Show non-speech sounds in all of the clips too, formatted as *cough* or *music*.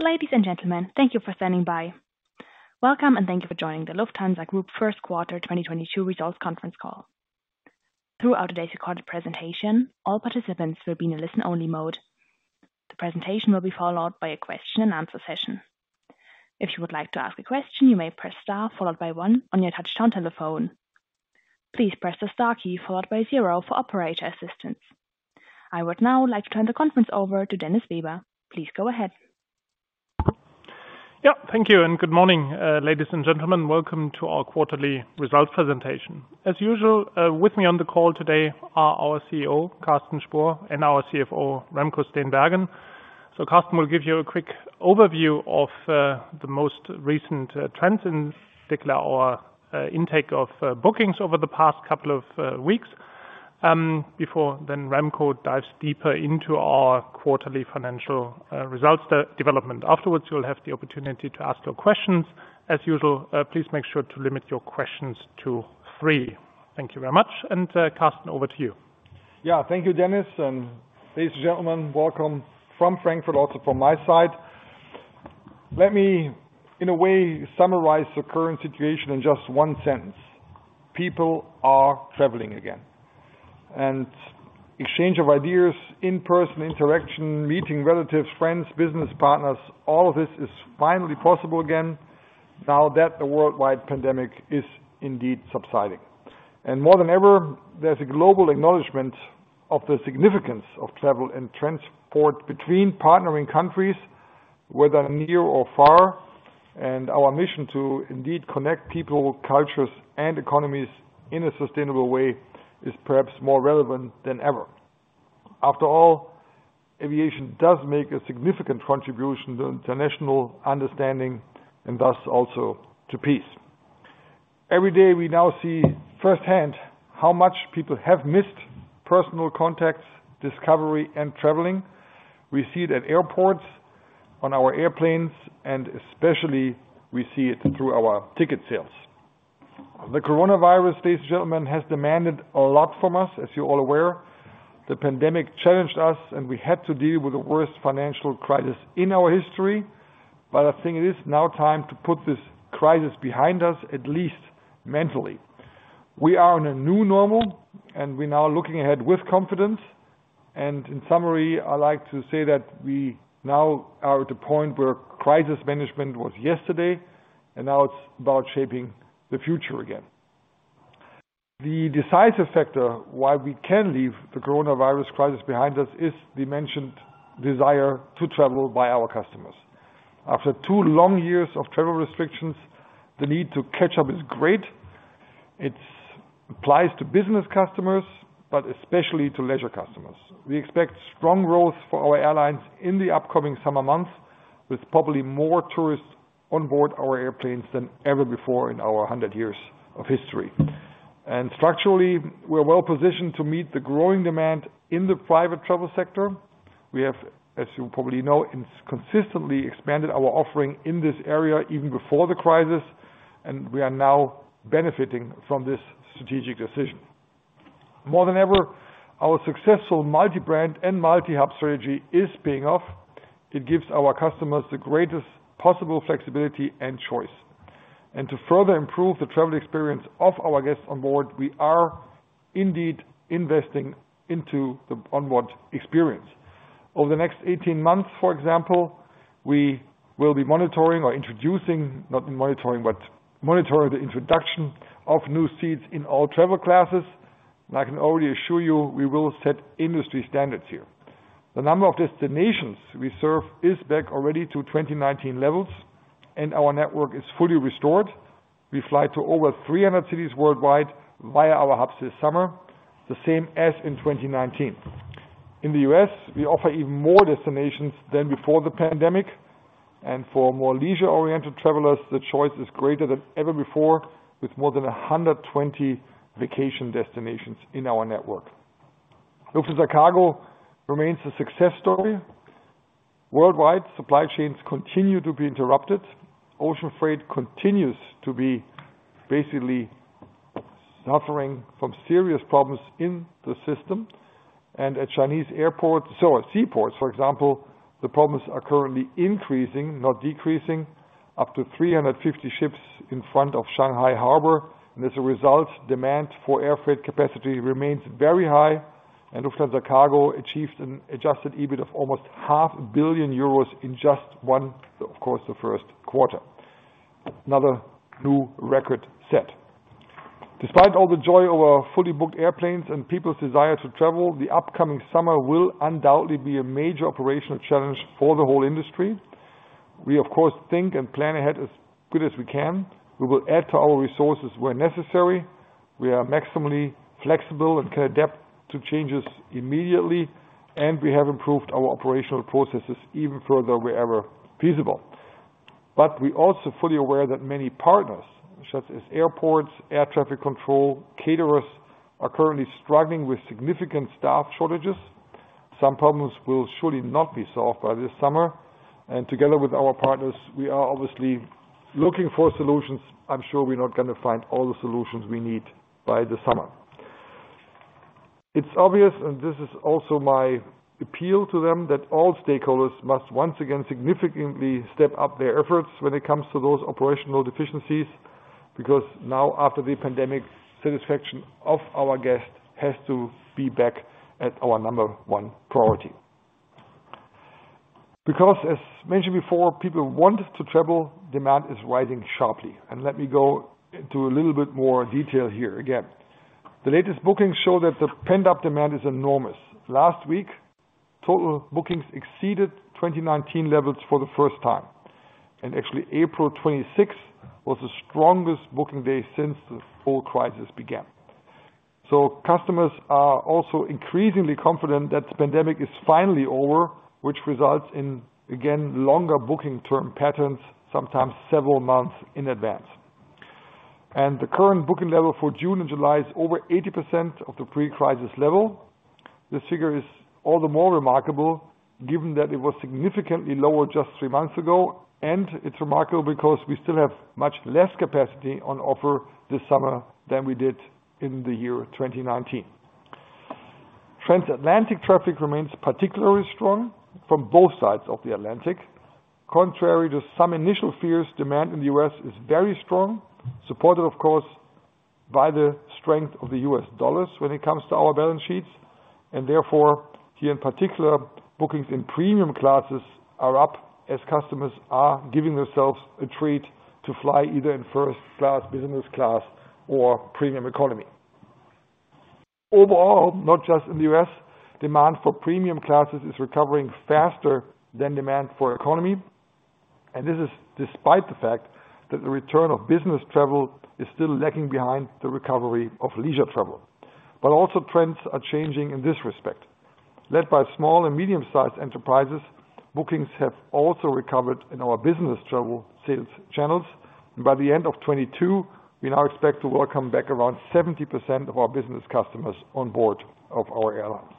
Ladies and gentlemen, thank you for standing by. Welcome, and thank you for joining the Lufthansa Group first quarter 2022 results conference call. Throughout today's recorded presentation, all participants will be in a listen-only mode. The presentation will be followed by a question and answer session. If you would like to ask a question, you may press star followed by one on your touchtone telephone. Please press the star key followed by zero for operator assistance. I would now like to turn the conference over to Dennis Weber. Please go ahead. Yeah, thank you, and good morning, ladies and gentlemen. Welcome to our quarterly results presentation. As usual, with me on the call today are our CEO, Carsten Spohr, and our CFO, Remco Steenbergen. Carsten will give you a quick overview of the most recent trends, in particular our intake of bookings over the past couple of weeks, before then Remco dives deeper into our quarterly financial results, the development. Afterwards, you'll have the opportunity to ask your questions as usual. Please make sure to limit your questions to three. Thank you very much and Carsten, over to you. Yeah. Thank you, Dennis, and ladies and gentlemen, welcome from Frankfurt, also from my side. Let me, in a way, summarize the current situation in just one sentence. People are traveling again. Exchange of ideas, in-person interaction, meeting relatives, friends, business partners, all of this is finally possible again now that the worldwide pandemic is indeed subsiding. More than ever, there's a global acknowledgement of the significance of travel and transport between partnering countries, whether near or far, and our mission to indeed connect people, cultures, and economies in a sustainable way is perhaps more relevant than ever. After all, aviation does make a significant contribution to international understanding and thus also to peace. Every day, we now see firsthand how much people have missed personal contacts, discovery, and traveling. We see it at airports, on our airplanes, and especially we see it through our ticket sales. The coronavirus, ladies and gentlemen, has demanded a lot from us, as you're all aware. The pandemic challenged us, and we had to deal with the worst financial crisis in our history. I think it is now time to put this crisis behind us, at least mentally. We are in a new normal, and we're now looking ahead with confidence. In summary, I like to say that we now are at the point where crisis management was yesterday, and now it's about shaping the future again. The decisive factor why we can leave the coronavirus crisis behind us is the mentioned desire to travel by our customers. After two long years of travel restrictions, the need to catch up is great. It applies to business customers, but especially to leisure customers. We expect strong growth for our airlines in the upcoming summer months, with probably more tourists on board our airplanes than ever before in our 100 years of history. Structurally, we're well-positioned to meet the growing demand in the private travel sector. We have, as you probably know, consistently expanded our offering in this area even before the crisis, and we are now benefiting from this strategic decision. More than ever, our successful multi-brand and multi-hub strategy is paying off. It gives our customers the greatest possible flexibility and choice. To further improve the travel experience of our guests on board, we are indeed investing into the onboard experience. Over the next 18 months, for example, we will be monitoring the introduction of new seats in all travel classes. I can already assure you, we will set industry standards here. The number of destinations we serve is back already to 2019 levels, and our network is fully restored. We fly to over 300 cities worldwide via our hubs this summer, the same as in 2019. In the U.S, we offer even more destinations than before the pandemic, and for more leisure-oriented travelers, the choice is greater than ever before with more than 120 vacation destinations in our network. Lufthansa Cargo remains a success story. Worldwide, supply chains continue to be interrupted. Ocean freight continues to be basically suffering from serious problems in the system. At Chinese airports or seaports, for example, the problems are currently increasing, not decreasing, up to 350 ships in front of Shanghai Harbor. As a result, demand for air freight capacity remains very high. Lufthansa Cargo achieved an Adjusted EBIT of almost half a billion euros in just one, of course, the first quarter. Another new record set. Despite all the joy over our fully booked airplanes and people's desire to travel, the upcoming summer will undoubtedly be a major operational challenge for the whole industry. We, of course, think and plan ahead as good as we can. We will add to our resources where necessary. We are maximally flexible and can adapt to changes immediately, and we have improved our operational processes even further wherever feasible. But we're also fully aware that many partners, such as airports, air traffic control, caterers, are currently struggling with significant staff shortages. Some problems will surely not be solved by this summer, and together with our partners, we are obviously looking for solutions. I'm sure we're not going to find all the solutions we need by the summer. It's obvious, and this is also my appeal to them, that all stakeholders must once again significantly step up their efforts when it comes to those operational deficiencies, because now after the pandemic, satisfaction of our guests has to be back at our number one priority. Because as mentioned before, people want to travel, demand is rising sharply. Let me go into a little bit more detail here again. The latest bookings show that the pent-up demand is enormous. Last week, total bookings exceeded 2019 levels for the first time, and actually April 26th was the strongest booking day since the whole crisis began. Customers are also increasingly confident that the pandemic is finally over, which results in, again, longer booking term patterns, sometimes several months in advance. The current booking level for June and July is over 80% of the pre-crisis level. This figure is all the more remarkable given that it was significantly lower just three months ago, and it's remarkable because we still have much less capacity on offer this summer than we did in the year 2019. Transatlantic traffic remains particularly strong from both sides of the Atlantic. Contrary to some initial fears, demand in the U.S is very strong, supported of course, by the strength of the U.S dollar when it comes to our balance sheets. Therefore, here in particular, bookings in premium classes are up as customers are giving themselves a treat to fly either in first class, business class or premium economy. Overall, not just in the U.S, demand for premium classes is recovering faster than demand for economy. This is despite the fact that the return of business travel is still lagging behind the recovery of leisure travel. Also trends are changing in this respect. Led by small and medium-sized enterprises, bookings have also recovered in our business travel sales channels. By the end of 2022, we now expect to welcome back around 70% of our business customers on board of our airlines.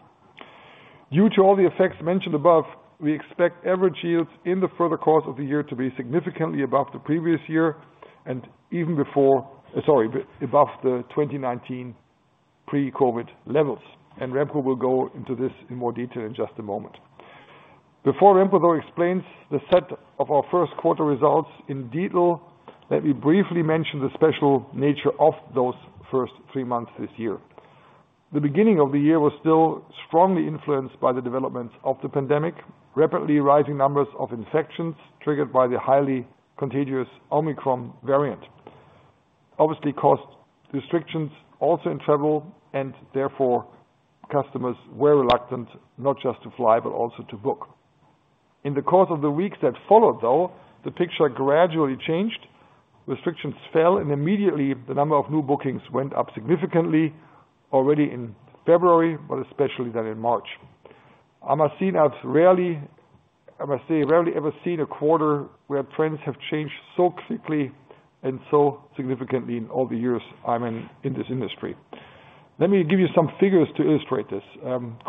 Due to all the effects mentioned above, we expect average yields in the further course of the year to be significantly above the previous year and above the 2019 pre-COVID levels. Remco will go into this in more detail in just a moment. Before Remco, though, explains the set of our first quarter results in detail, let me briefly mention the special nature of those first three months this year. The beginning of the year was still strongly influenced by the developments of the pandemic. Rapidly rising numbers of infections triggered by the highly contagious Omicron variant obviously caused restrictions also in travel, and therefore customers were reluctant not just to fly, but also to book. In the course of the weeks that followed, though, the picture gradually changed. Restrictions fell, and immediately the number of new bookings went up significantly already in February, but especially then in March. I must say, rarely ever seen a quarter where trends have changed so quickly and so significantly in all the years I'm in this industry. Let me give you some figures to illustrate this.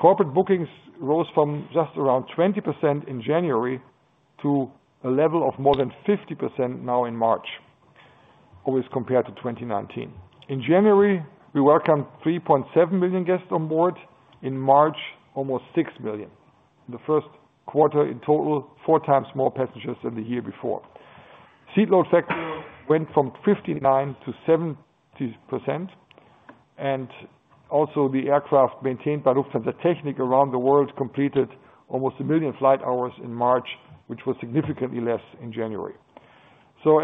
Corporate bookings rose from just around 20% in January to a level of more than 50% now in March, always compared to 2019. In January, we welcome 3.7 million guests on board. In March, almost six million. The first quarter in total, four times more passengers than the year before. Seat load factor went from 59%-70%, and also the aircraft maintained by Lufthansa Technik around the world completed almost one million flight hours in March, which was significantly less in January.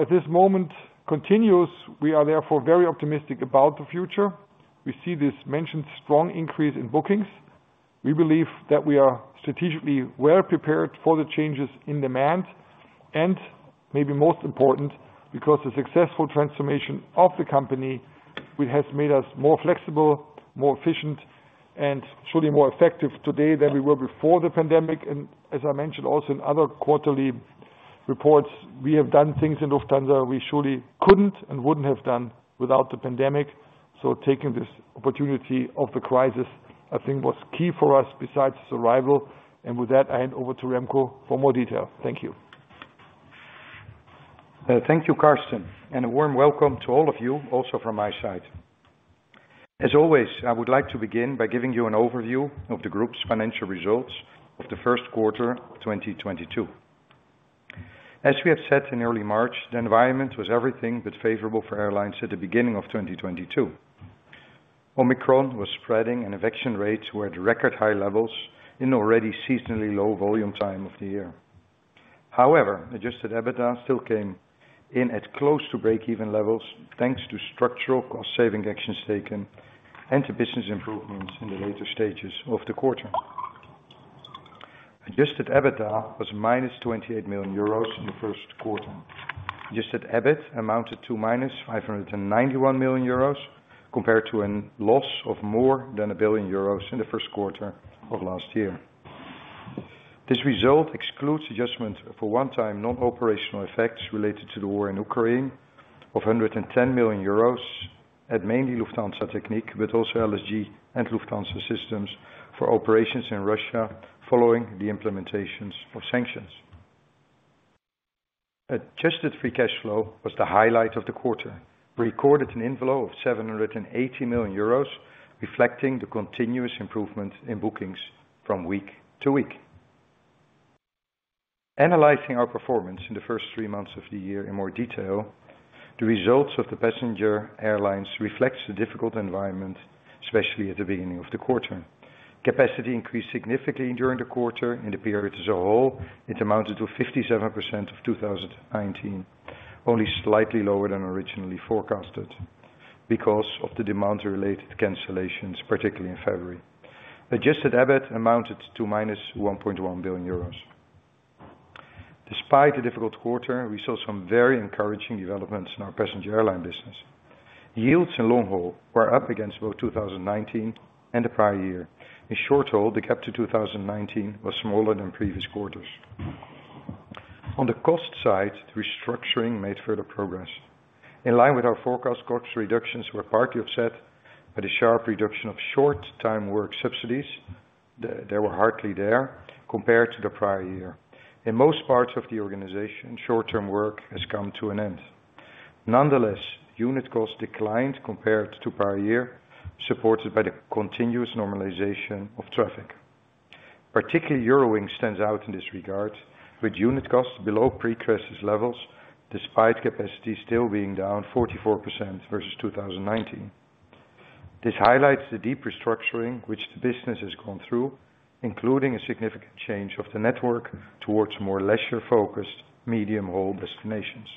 As this moment continues, we are therefore very optimistic about the future. We see this mentioned strong increase in bookings. We believe that we are strategically well prepared for the changes in demand and maybe most important, because the successful transformation of the company, which has made us more flexible, more efficient, and surely more effective today than we were before the pandemic. As I mentioned also in other quarterly reports, we have done things in Lufthansa we surely couldn't and wouldn't have done without the pandemic. Taking this opportunity of the crisis, I think was key for us besides survival. With that, I hand over to Remco for more detail. Thank you. Thank you, Carsten, and a warm welcome to all of you, also from my side. As always, I would like to begin by giving you an overview of the group's financial results of the first quarter 2022. As we have said in early March, the environment was everything but favorable for airlines at the beginning of 2022. Omicron was spreading and infection rates were at record high levels in already seasonally low volume time of the year. However, Adjusted EBITDA still came in at close to break-even levels, thanks to structural cost saving actions taken and to business improvements in the later stages of the quarter. Adjusted EBITDA was -28 million euros in the first quarter. Adjusted EBIT amounted to -591 million euros, compared to a loss of more than 1 billion euros in the first quarter of last year. This result excludes adjustment for one-time non-operational effects related to the war in Ukraine of 110 million euros mainly at Lufthansa Technik, but also LSG and Lufthansa Systems for operations in Russia following the implementations of sanctions. Adjusted Free Cash Flow was the highlight of the quarter. Recorded an inflow of 780 million euros, reflecting the continuous improvement in bookings from week to week. Analyzing our performance in the first three months of the year in more detail, the results of the passenger airlines reflects the difficult environment, especially at the beginning of the quarter. Capacity increased significantly during the quarter. In the period as a whole, it amounted to 57% of 2019, only slightly lower than originally forecasted because of the demand-related cancellations, particularly in February. Adjusted EBIT amounted to -1.1 billion euros. Despite the difficult quarter, we saw some very encouraging developments in our passenger airline business. Yields in long-haul were up against both 2019 and the prior year. In short-haul, the gap to 2019 was smaller than previous quarters. On the cost side, restructuring made further progress. In line with our forecast, cost reductions were partly offset by the sharp reduction of short-time work subsidies. They were hardly there compared to the prior year. In most parts of the organization, short-term work has come to an end. Nonetheless, unit costs declined compared to prior year, supported by the continuous normalization of traffic. Particularly Eurowings stands out in this regard, with unit costs below pre-crisis levels despite capacity still being down 44% versus 2019. This highlights the deep restructuring which the business has gone through, including a significant change of the network towards more leisure-focused, medium-haul destinations.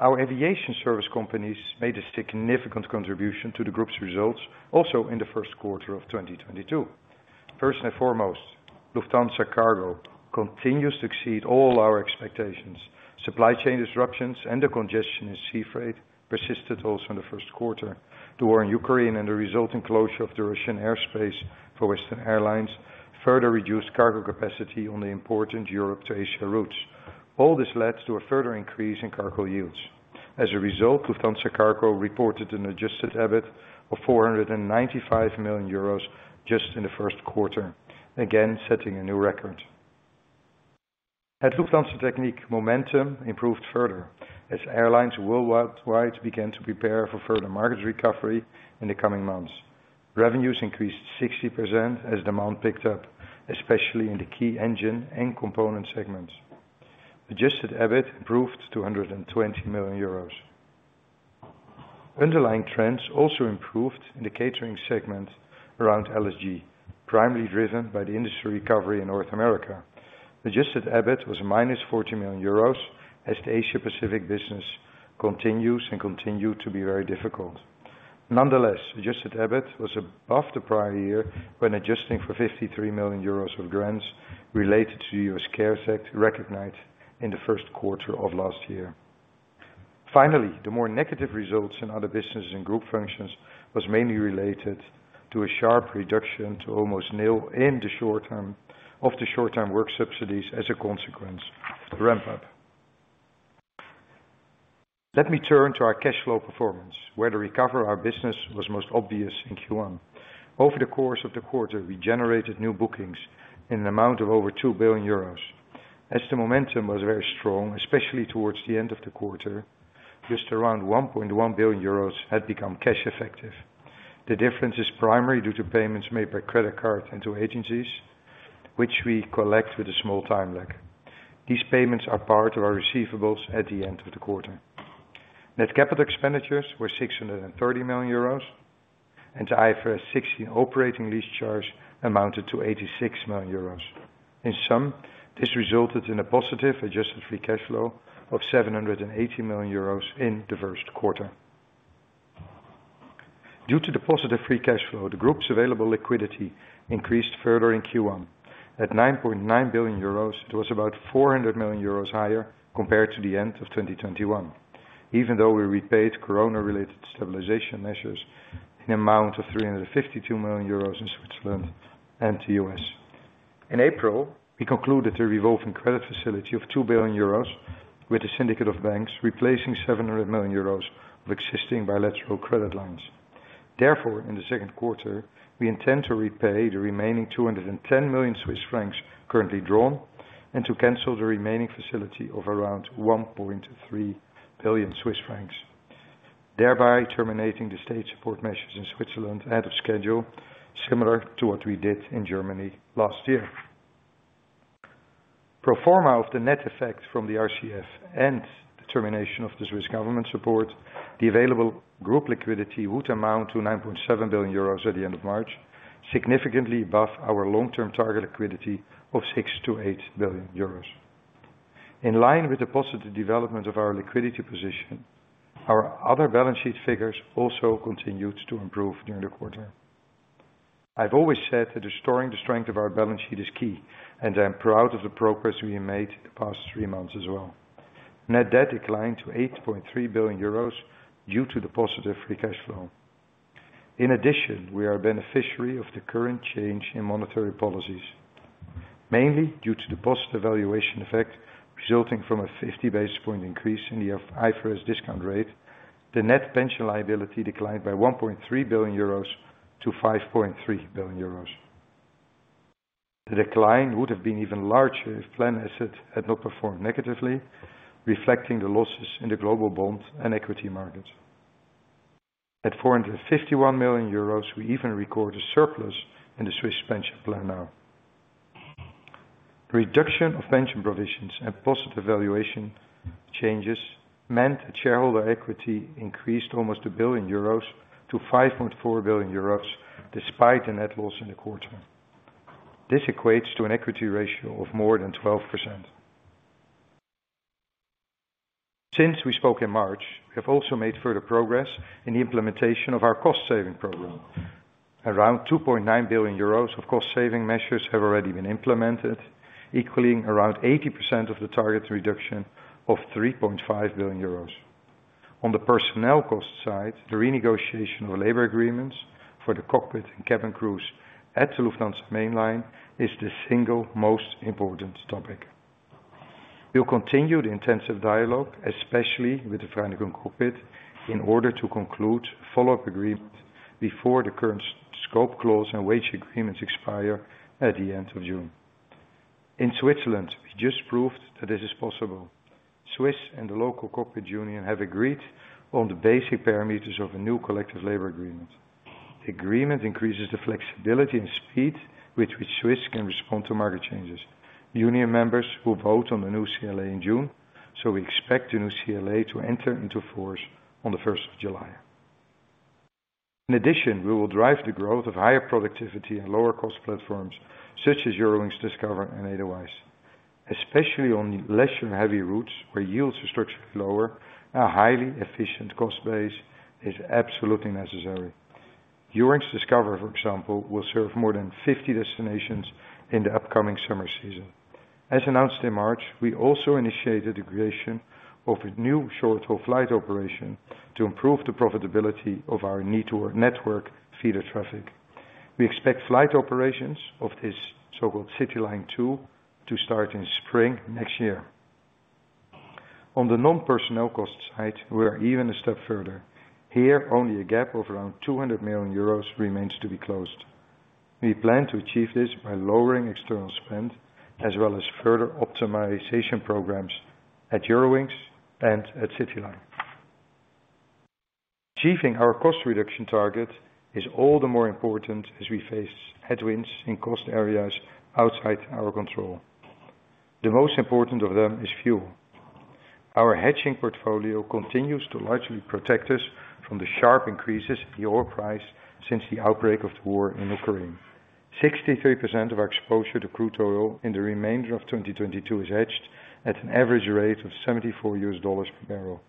Our aviation service companies made a significant contribution to the group's results also in the first quarter of 2022. First and foremost, Lufthansa Cargo continues to exceed all our expectations. Supply chain disruptions and the congestion in sea freight persisted also in the first quarter. The war in Ukraine and the resulting closure of the Russian airspace for Western airlines further reduced cargo capacity on the important Europe to Asia routes. All this led to a further increase in cargo yields. As a result, Lufthansa Cargo reported an adjusted EBIT of 495 million euros just in the first quarter, again, setting a new record. At Lufthansa Technik, momentum improved further as airlines worldwide began to prepare for further market recovery in the coming months. Revenues increased 60% as demand picked up, especially in the key engine and component segments. Adjusted EBIT improved to 120 million euros. Underlying trends also improved in the catering segment around LSG, primarily driven by the industry recovery in North America. Adjusted EBIT was -40 million euros as the Asia-Pacific business continues and continued to be very difficult. Nonetheless, adjusted EBIT was above the prior year when adjusting for 53 million euros of grants related to the US CARES Act recognized in the first quarter of last year. Finally, the more negative results in other businesses and group functions was mainly related to a sharp reduction to almost nil in the short-term, of the short-term work subsidies as a consequence of the ramp up. Let me turn to our cash flow performance, where the recovery of our business was most obvious in Q1. Over the course of the quarter, we generated new bookings in an amount of over two billion euros. As the momentum was very strong, especially towards the end of the quarter, just around 1.1 billion euros had become cash effective. The difference is primarily due to payments made by credit card and to agencies, which we collect with a small time lag. These payments are part of our receivables at the end of the quarter. Net capital expenditures were 630 million euros, and the IFRS 16 operating lease charge amounted to 86 million euros. In sum, this resulted in a positive adjusted free cash flow of 780 million euros in the first quarter. Due to the positive free cash flow, the group's available liquidity increased further in Q1. At 9.9 billion euros, it was about 400 million euros higher compared to the end of 2021, even though we repaid COVID-related stabilization measures in amount of 352 million euros in Switzerland and the U.S. In April, we concluded the revolving credit facility of two billion euros with a syndicate of banks replacing 700 million euros of existing bilateral credit lines. Therefore, in the Q2, we intend to repay the remaining 210 million Swiss francs currently drawn and to cancel the remaining facility of around 1.3 billion Swiss francs, thereby terminating the state support measures in Switzerland ahead of schedule, similar to what we did in Germany last year. Pro forma of the net effect from the RCF and the termination of the Swiss government support, the available group liquidity would amount to 9.7 billion euros at the end of March, significantly above our long-term target liquidity of 6 billion-8 billion euros. In line with the positive development of our liquidity position, our other balance sheet figures also continued to improve during the quarter. I've always said that restoring the strength of our balance sheet is key, and I'm proud of the progress we made the past three months as well. Net debt declined to 8.3 billion euros due to the positive free cash flow. In addition, we are a beneficiary of the current change in monetary policies. Mainly due to the positive valuation effect resulting from a 50 basis points increase in the IFRS discount rate. The net pension liability declined by 1.3 billion euros to 5.3 billion euros. The decline would have been even larger if plan assets had not performed negatively, reflecting the losses in the global bond and equity markets. At 451 million euros, we even record a surplus in the Swiss pension plan now. Reduction of pension provisions and positive valuation changes meant shareholder equity increased almost one billion euros to 5.4 billion euros despite the net loss in the quarter. This equates to an equity ratio of more than 12%. Since we spoke in March, we have also made further progress in the implementation of our cost saving program. Around 2.9 billion euros of cost saving measures have already been implemented, equaling around 80% of the target reduction of 3.5 billion euros. On the personnel cost side, the renegotiation of labor agreements for the cockpit and cabin crews at Lufthansa Mainline is the single most important topic. We'll continue the intensive dialogue, especially with the Vereinigung Cockpit, in order to conclude follow-up agreement before the current scope clause and wage agreements expire at the end of June. In Switzerland, we just proved that this is possible. Swiss and the local cockpit union have agreed on the basic parameters of a new collective labor agreement. The agreement increases the flexibility and speed with which Swiss can respond to market changes. Union members will vote on the new CLA in June, so we expect the new CLA to enter into force on the first of July. In addition, we will drive the growth of higher productivity and lower-cost platforms such as Eurowings Discover and otherwise. Especially on leisure-heavy routes where yields are structured lower, a highly efficient cost base is absolutely necessary. Eurowings Discover, for example, will serve more than 50 destinations in the upcoming summer season. As announced in March, we also initiated the creation of a new short-haul flight operation to improve the profitability of our network and our feeder traffic. We expect flight operations of this so-called CityLine 2 to start in spring next year. On the non-personnel cost side, we are even a step further. Here, only a gap of around 200 million euros remains to be closed. We plan to achieve this by lowering external spend as well as further optimization programs at Eurowings and at CityLine. Achieving our cost reduction target is all the more important as we face headwinds in cost areas outside our control. The most important of them is fuel. Our hedging portfolio continues to largely protect us from the sharp increases in the oil price since the outbreak of the war in Ukraine. 63% of our exposure to crude oil in the remainder of 2022 is hedged at an average rate of $74 per barrel.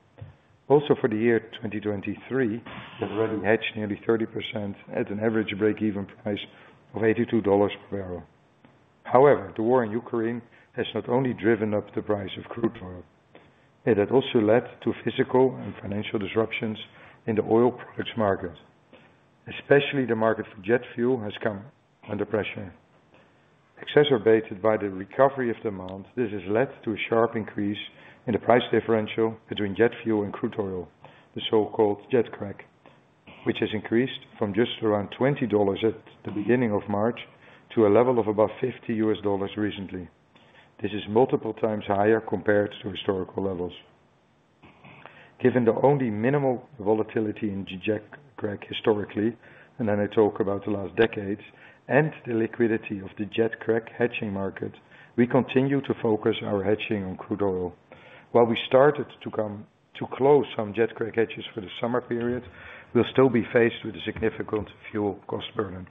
Also for the year 2023, we've already hedged nearly 30% at an average break-even price of $82 per barrel. However, the war in Ukraine has not only driven up the price of crude oil. It had also led to physical and financial disruptions in the oil products market, especially the market for jet fuel has come under pressure. Exacerbated by the recovery of demand, this has led to a sharp increase in the price differential between jet fuel and crude oil, the so-called jet crack, which has increased from just around $20 at the beginning of March to a level of above $50 recently. This is multiple times higher compared to historical levels. Given the only minimal volatility in jet crack historically, and then I talk about the last decades, and the liquidity of the jet crack hedging market, we continue to focus our hedging on crude oil. While we started to close some jet crack hedges for the summer period, we'll still be faced with a significant fuel cost burden.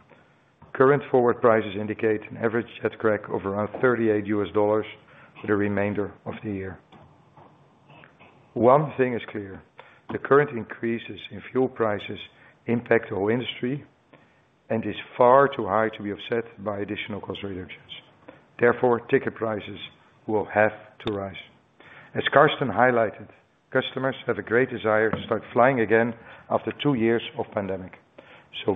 Current forward prices indicate an average jet crack of around $38 for the remainder of the year. One thing is clear, the current increases in fuel prices impact our industry and is far too high to be offset by additional cost reductions. Therefore, ticket prices will have to rise. As Carsten Spohr highlighted, customers have a great desire to start flying again after two years of pandemic.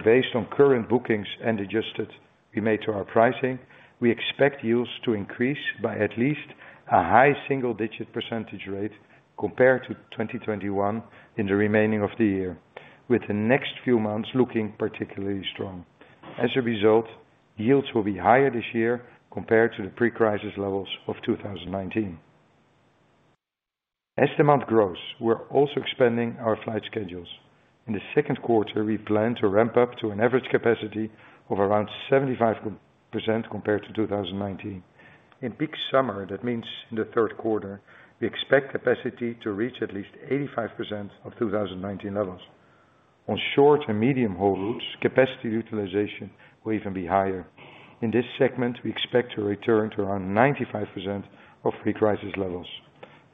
Based on current bookings and adjusted we made to our pricing, we expect yields to increase by at least a high single-digit % rate compared to 2021 in the remaining of the year, with the next few months looking particularly strong. As a result, yields will be higher this year compared to the pre-crisis levels of 2019. As demand grows, we're also expanding our flight schedules. In the second quarter, we plan to ramp up to an average capacity of around 75% compared to 2019. In peak summer, that means in the third quarter, we expect capacity to reach at least 85% of 2019 levels. On short and medium-haul routes, capacity utilization will even be higher. In this segment, we expect to return to around 95% of pre-crisis levels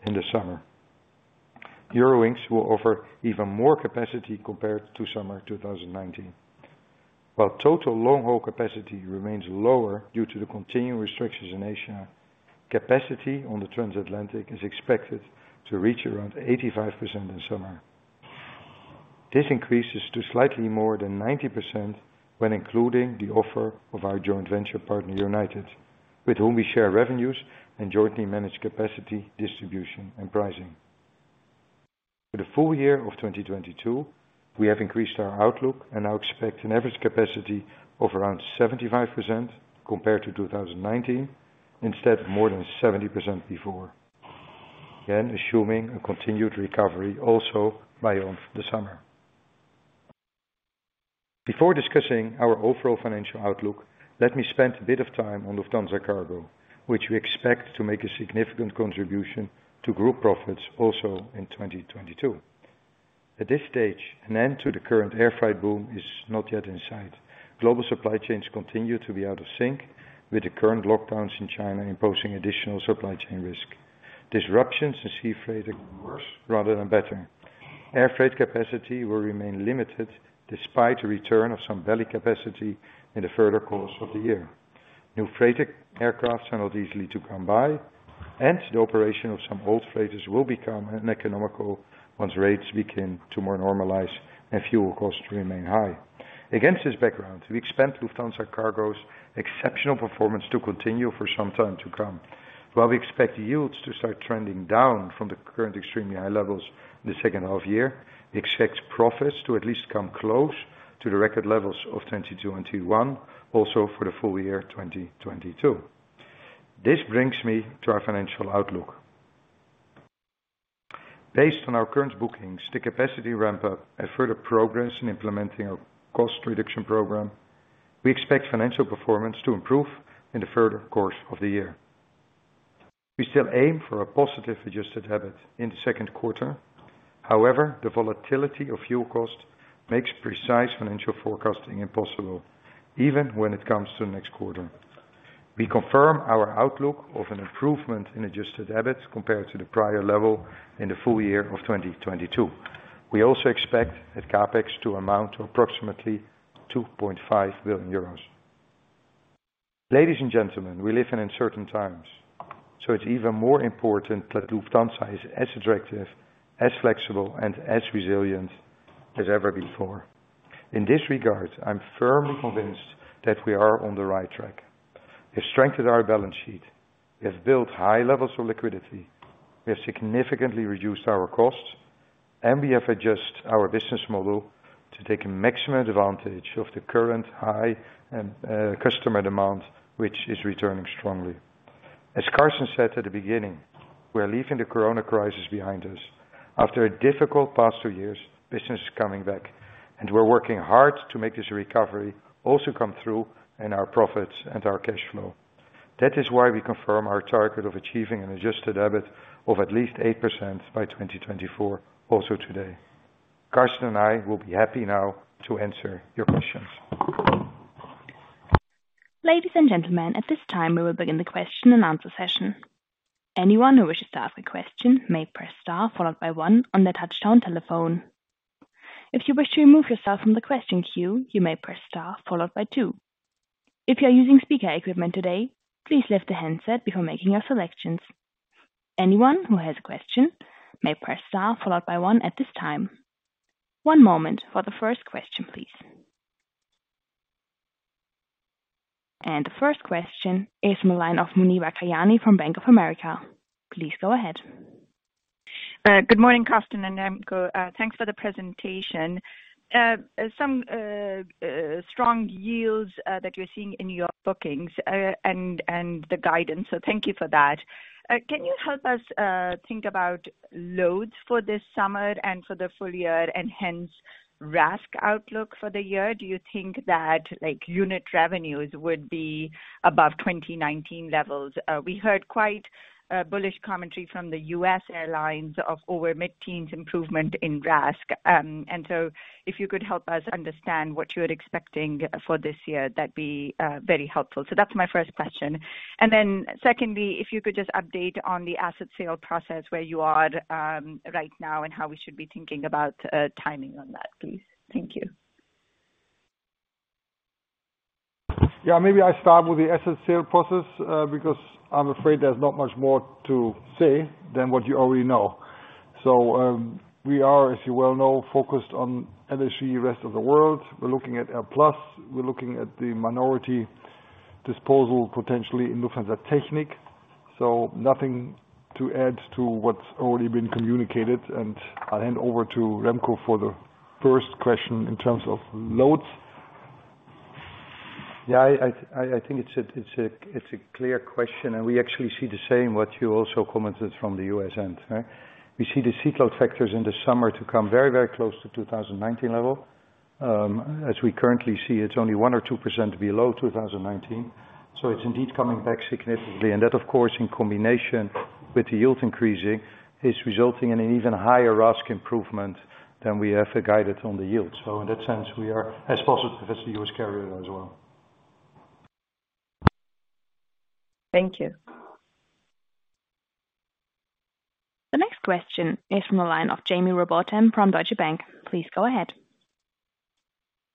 in the summer. Eurowings will offer even more capacity compared to summer 2019. While total long-haul capacity remains lower due to the continued restrictions in Asia, capacity on the transatlantic is expected to reach around 85% in summer. This increases to slightly more than 90% when including the offer of our joint venture partner, United, with whom we share revenues and jointly manage capacity, distribution, and pricing. For the full year of 2022, we have increased our outlook and now expect an average capacity of around 75% compared to 2019, instead of more than 70% before. Again, assuming a continued recovery also by the summer. Before discussing our overall financial outlook, let me spend a bit of time on Lufthansa Cargo, which we expect to make a significant contribution to group profits also in 2022. At this stage, an end to the current air freight boom is not yet in sight. Global supply chains continue to be out of sync with the current lockdowns in China imposing additional supply chain risk. Disruptions in sea freight are worse rather than better. Air freight capacity will remain limited despite the return of some belly capacity in the further course of the year. New freight aircraft are not easily to come by, and the operation of some old freighters will become uneconomical once rates begin to more normalize and fuel costs remain high. Against this background, we expect Lufthansa Cargo's exceptional performance to continue for some time to come. While we expect yields to start trending down from the current extremely high levels in the second half year, we expect profits to at least come close to the record levels of 2021 also for the full year 2022. This brings me to our financial outlook. Based on our current bookings, the capacity ramp up, and further progress in implementing our cost reduction program, we expect financial performance to improve in the further course of the year. We still aim for a positive adjusted EBIT in the second quarter. However, the volatility of fuel cost makes precise financial forecasting impossible, even when it comes to next quarter. We confirm our outlook of an improvement in adjusted EBIT compared to the prior level in the full year of 2022. We also expect that CapEx to amount to approximately 2.5 billion euros. Ladies and gentlemen, we live in uncertain times, so it's even more important that Lufthansa is as attractive, as flexible, and as resilient as ever before. In this regard, I'm firmly convinced that we are on the right track. We've strengthened our balance sheet, we have built high levels of liquidity, we have significantly reduced our costs, and we have adjusted our business model to take maximum advantage of the current high customer demand, which is returning strongly. As Carsten said at the beginning, we are leaving the corona crisis behind us. After a difficult past two years, business is coming back, and we're working hard to make this recovery also come through in our profits and our cash flow. That is why we confirm our target of achieving an adjusted EBIT of at least 8% by 2024, also today. Carsten Spohr and I will be happy now to answer your questions. Ladies and gentlemen, at this time, we will begin the question and answer session. Anyone who wishes to ask a question may press star followed by one on their touchtone telephone. If you wish to remove yourself from the question queue, you may press star followed by two. If you are using speaker equipment today, please lift the handset before making your selections. Anyone who has a question may press star followed by one at this time. One moment for the first question, please. The first question is from the line of Muneeba Kayani from Bank of America, please go ahead. Good morning, Carsten and Remco. Thanks for the presentation. Some strong yields that you're seeing in your bookings, and the guidance, so thank you for that. Can you help us think about loads for this summer and for the full year and hence RASK outlook for the year? Do you think that, like, unit revenues would be above 2019 levels? We heard quite bullish commentary from the U.S airlines of over mid-teens improvement in RASK. If you could help us understand what you're expecting for this year, that'd be very helpful. That's my first question. Secondly, if you could just update on the asset sale process, where you are right now and how we should be thinking about timing on that, please. Thank you. Yeah, maybe I start with the asset sale process, because I'm afraid there's not much more to say than what you already know. We are, as you well know, focused on LSG rest of the world. We're looking at AirPlus. We're looking at the minority disposal potentially in Lufthansa Technik. Nothing to add to what's already been communicated. I'll hand over to Remco for the first question in terms of loads. Yeah, I think it's a clear question, and we actually see the same what you also commented from the U.S end, right? We see the seat load factors in the summer to come very, very close to 2019 level. As we currently see, it's only one or two percent below 2019. It's indeed coming back significantly. That, of course, in combination with the yield increasing, is resulting in an even higher RASK improvement than we have guided on the yield. In that sense, we are as positive as the U.S carrier as well. Thank you. The next question is from the line of Jaime Rowbotham from Deutsche Bank, please go ahead.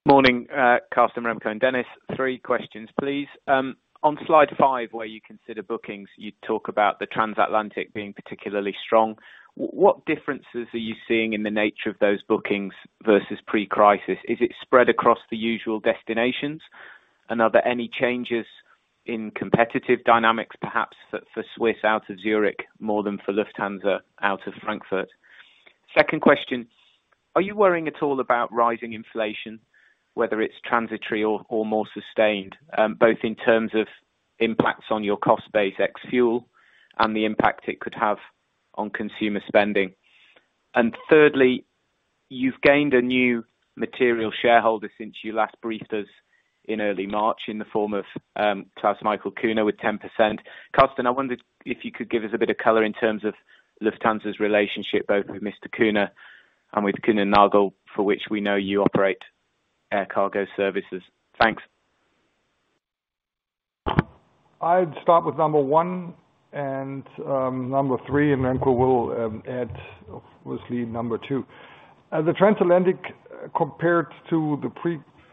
Morning, Carsten, Remco, and Dennis. Three questions, please. On slide five where you consider bookings, you talk about the transatlantic being particularly strong. What differences are you seeing in the nature of those bookings versus pre-crisis? Is it spread across the usual destinations? And are there any changes in competitive dynamics, perhaps for Swiss out of Zurich more than for Lufthansa out of Frankfurt? Second question, are you worrying at all about rising inflation, whether it's transitory or more sustained, both in terms of impacts on your cost base ex-fuel and the impact it could have on consumer spending? And thirdly, you've gained a new material shareholder since you last briefed us in early March in the form of Klaus-Michael Kühne with 10%. Carsten, I wondered if you could give us a bit of color in terms of Lufthansa's relationship both with Mr. Kühne and with Kuehne + Nagel, for which we know you operate air cargo services. Thanks. I'd start with one and number three, and then we will add obviously number two. As a transatlantic, compared to the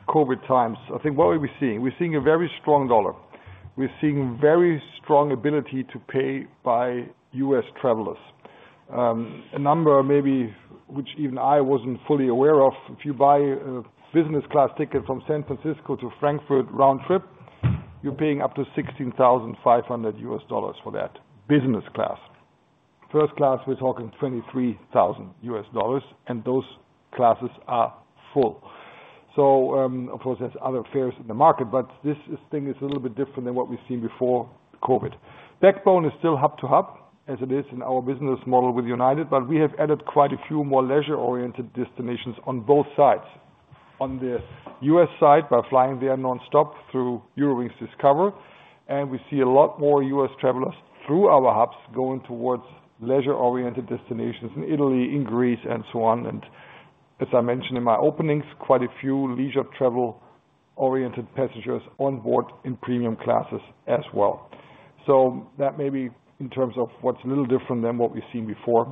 pre-COVID times, I think what are we seeing? We're seeing a very strong dollar. We're seeing very strong ability to pay by U.S travelers. A number maybe which even I wasn't fully aware of, if you buy a business class ticket from San Francisco to Frankfurt round trip, you're paying up to $16,500 for that business class. First class, we're talking $23,000, and those classes are full. Of course, there's other fares in the market, but this thing is a little bit different than what we've seen before COVID. Backbone is still hub to hub as it is in our business model with United, but we have added quite a few more leisure-oriented destinations on both sides. On the U.S side by flying there nonstop through Eurowings Discover, and we see a lot more U.S travelers through our hubs going towards leisure-oriented destinations in Italy, in Greece, and so on. As I mentioned in my openings, quite a few leisure travel-oriented passengers on board in premium classes as well. That may be in terms of what's a little different than what we've seen before.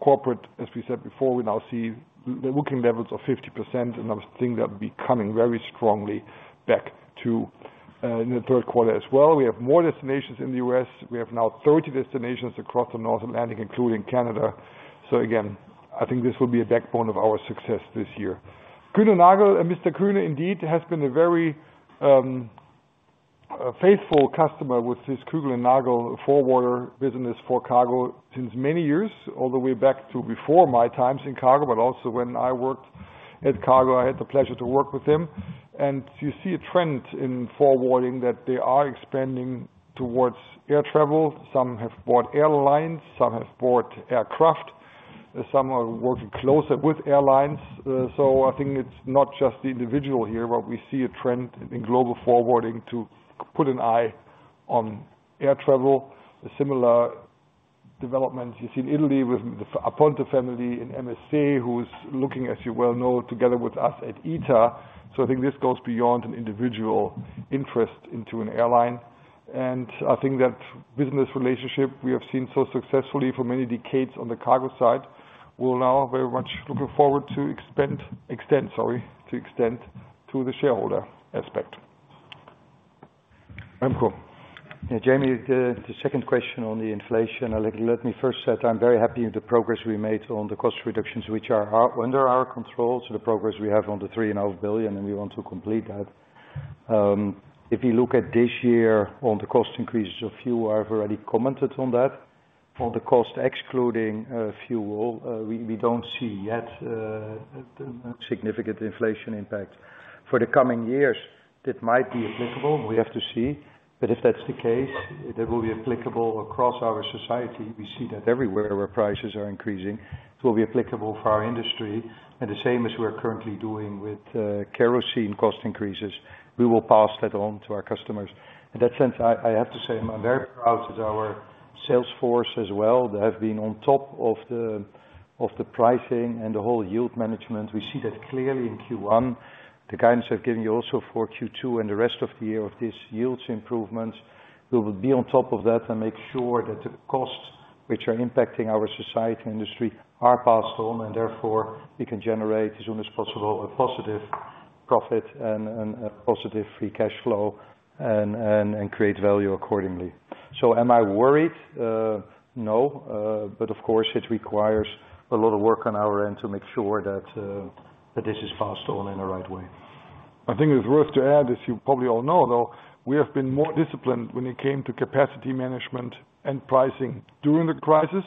Corporate, as we said before, we now see the booking levels of 50%, and I think that'll be coming very strongly back to in the third quarter as well. We have more destinations in the U.S We have now 30 destinations across the North Atlantic, including Canada. Again, I think this will be a backbone of our success this year. Kühne + Nagel, and Mr. Kühne indeed has been a very a faithful customer with his Kühne + Nagel forwarder business for cargo since many years, all the way back to before my times in cargo, but also when I worked at cargo, I had the pleasure to work with him. You see a trend in forwarding that they are expanding towards air travel. Some have bought airlines, some have bought aircraft, some are working closer with airlines. I think it's not just the individual here, but we see a trend in global forwarding to put an eye on air travel. A similar development you see in Italy with the Aponte family in MSC, who's looking, as you well know, together with us at ITA. I think this goes beyond an individual interest into an airline. I think that business relationship we have seen so successfully for many decades on the cargo side will now very much looking forward to extend to the shareholder aspect. Remco? Yeah, Jaime, the second question on the inflation. Let me first say I'm very happy with the progress we made on the cost reductions, which are under our control. The progress we have on the 3.5 billion, and we want to complete that. If you look at this year on the cost increases of fuel, I've already commented on that. For the cost excluding fuel, we don't see yet significant inflation impact. For the coming years, that might be applicable, we have to see. If that's the case, it will be applicable across our society. We see that everywhere where prices are increasing, it will be applicable for our industry. The same as we're currently doing with kerosene cost increases, we will pass that on to our customers. In that sense, I have to say I'm very proud that our sales force as well, they have been on top of the pricing and the whole yield management. We see that clearly in Q1. The guidance I've given you also for Q2 and the rest of the year on this yield improvements. We will be on top of that and make sure that the costs which are impacting our aviation industry are passed on, and therefore we can generate as soon as possible a positive profit and a positive free cash flow and create value accordingly. Am I worried? No. But of course, it requires a lot of work on our end to make sure that this is passed on in the right way. I think it's worth to add, as you probably all know, though, we have been more disciplined when it came to capacity management and pricing during the crisis.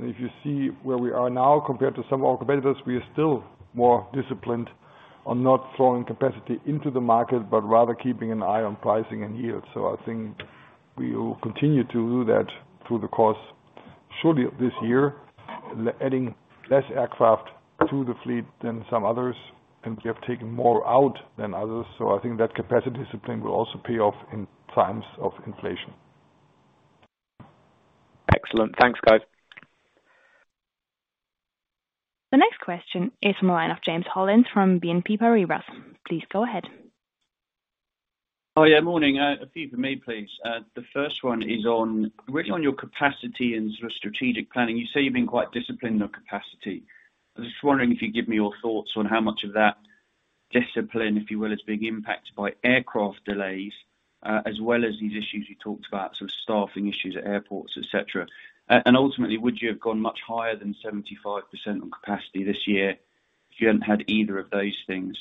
If you see where we are now compared to some of our competitors, we are still more disciplined on not throwing capacity into the market, but rather keeping an eye on pricing and yield. I think we will continue to do that through the course of this year, adding less aircraft to the fleet than some others, and we have taken more out than others. I think that capacity discipline will also pay off in times of inflation. Excellent. Thanks, guys. The next question is from the line of James Sheridan from BNP Paribas, please go ahead. Oh yeah, morning. A few for me, please. The first one is on really on your capacity and sort of strategic planning. You say you've been quite disciplined on capacity. I was just wondering if you could give me your thoughts on how much of that discipline, if you will, is being impacted by aircraft delays, as well as these issues you talked about, sort of staffing issues at airports, et cetera. Ultimately, would you have gone much higher than 75% on capacity this year if you hadn't had either of those things?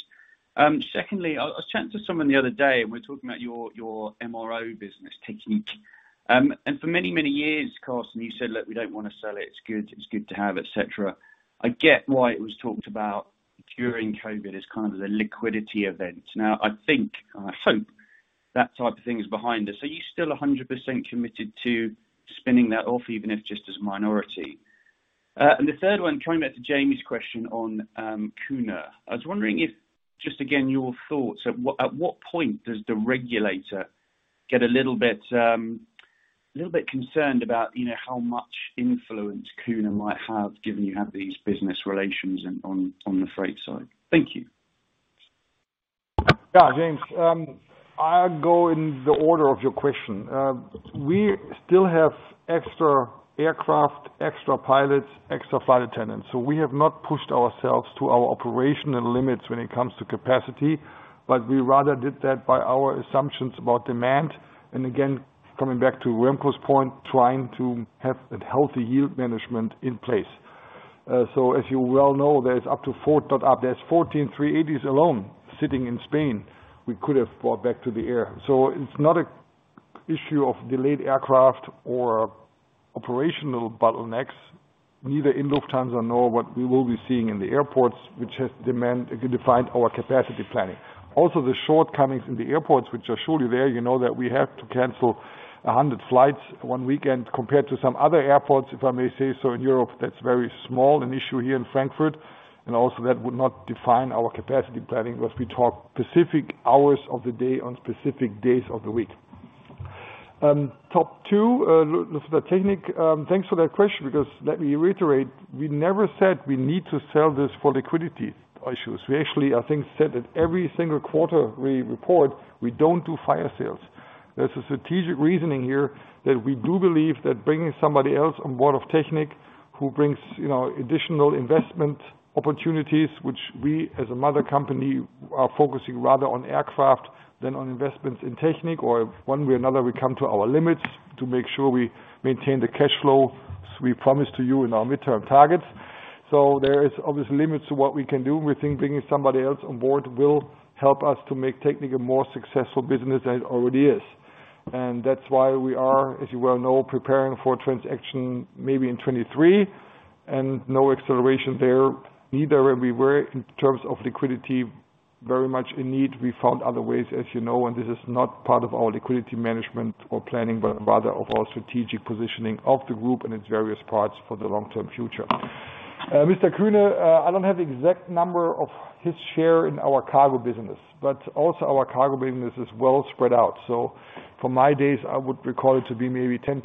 Secondly, I was chatting to someone the other day, and we were talking about your MRO business, Technik. For many, many years, Carsten, you said, "Look, we don't want to sell it. It's good. It's good to have," et cetera. I get why it was talked about during COVID as kind of the liquidity event. Now, I think, I hope that type of thing is behind us. Are you still 100% committed to spinning that off, even if just as a minority? The third one, coming back to Jaime's question on Kühne. I was wondering if, just again, your thoughts, at what point does the regulator get a little bit concerned about, you know, how much influence Kühne might have, given you have these business relations on the freight side? Thank you. Yeah, James. I'll go in the order of your question. We still have extra aircraft, extra pilots, extra flight attendants, so we have not pushed ourselves to our operational limits when it comes to capacity, but we rather did that by our assumptions about demand, and again, coming back to Remco's point, trying to have a healthy yield management in place. So as you well know, there's 14 three-eighties alone sitting in Spain we could have brought back to the air. It's not an issue of delayed aircraft or operational bottlenecks, neither in Lufthansa nor what we will be seeing in the airports, which has demand, it could define our capacity planning. The shortcomings in the airports, which are surely there, you know that we have to cancel 100 flights one weekend compared to some other airports, if I may say so, in Europe, that's very small an issue here in Frankfurt, and also that would not define our capacity planning as we talk specific hours of the day on specific days of the week. Point two, the Technik, thanks for that question because let me reiterate, we never said we need to sell this for liquidity issues. We actually, I think, said that every single quarter we report, we don't do fire sales. There's a strategic reasoning here that we do believe that bringing somebody else on board of Technik who brings, you know, additional investment opportunities, which we as a mother company are focusing rather on aircraft than on investments in Technik or one way or another we come to our limits to make sure we maintain the cash flow we promised to you in our midterm targets. There is obviously limits to what we can do. We think bringing somebody else on board will help us to make Technik a more successful business than it already is. That's why we are, as you well know, preparing for a transaction maybe in 2023 and no acceleration there. Neither are we worried in terms of liquidity, very much in need. We found other ways, as you know, and this is not part of our liquidity management or planning, but rather of our strategic positioning of the group and its various parts for the long-term future. Mr. Kühne, I don't have the exact number of his share in our cargo business, but also our cargo business is well spread out. From my days, I would recall it to be maybe 10%.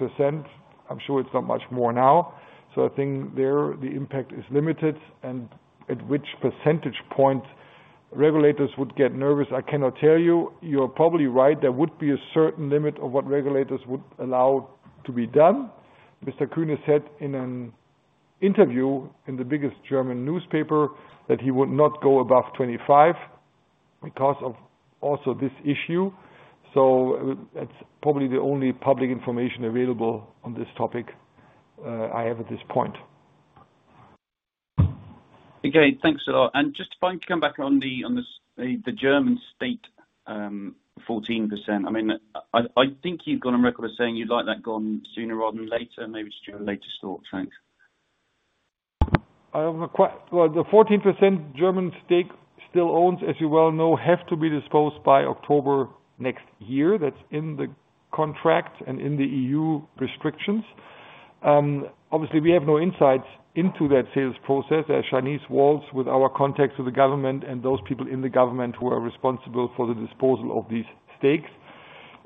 I'm sure it's not much more now. I think there the impact is limited and at which percentage point regulators would get nervous, I cannot tell you. You're probably right, there would be a certain limit of what regulators would allow to be done. Mr. Kühne said in an interview in the biggest German newspaper that he would not go above 25% because of also this issue. That's probably the only public information available on this topic I have at this point. Okay, thanks a lot. Just if I can come back on the German stake, 14%. I mean, I think you've gone on record as saying you'd like that gone sooner rather than later. Maybe just your latest thoughts. Thanks. Well, the 14% German stake still owned, as you well know, have to be disposed by October next year. That's in the contract and in the EU restrictions. Obviously we have no insight into that sales process. There are Chinese walls with our contacts with the government and those people in the government who are responsible for the disposal of these stakes.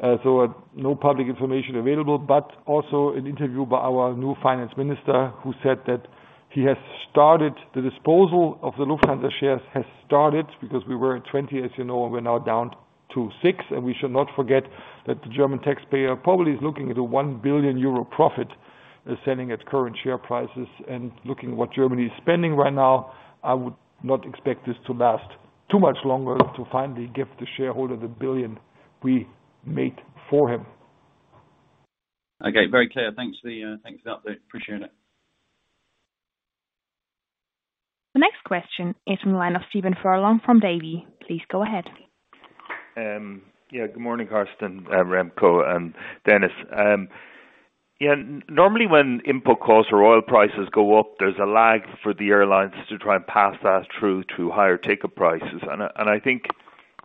No public information available, but also an interview by our new finance minister who said that he has started the disposal of the Lufthansa shares because we were at 20%, as you know, and we're now down to 6%, and we should not forget that the German taxpayer probably is looking at a one billion euro profit, selling at current share prices. Looking at what Germany is spending right now, I would not expect this to last too much longer to finally give the shareholder the one billion we made for him. Okay, very clear. Thanks for the update. Appreciating it. The next question is from the line of Stephen Furlong from Davy. Please go ahead. Yeah, good morning, Carsten, Remco and Dennis. Yeah, normally when input costs or oil prices go up, there's a lag for the airlines to try and pass that through to higher ticket prices. I think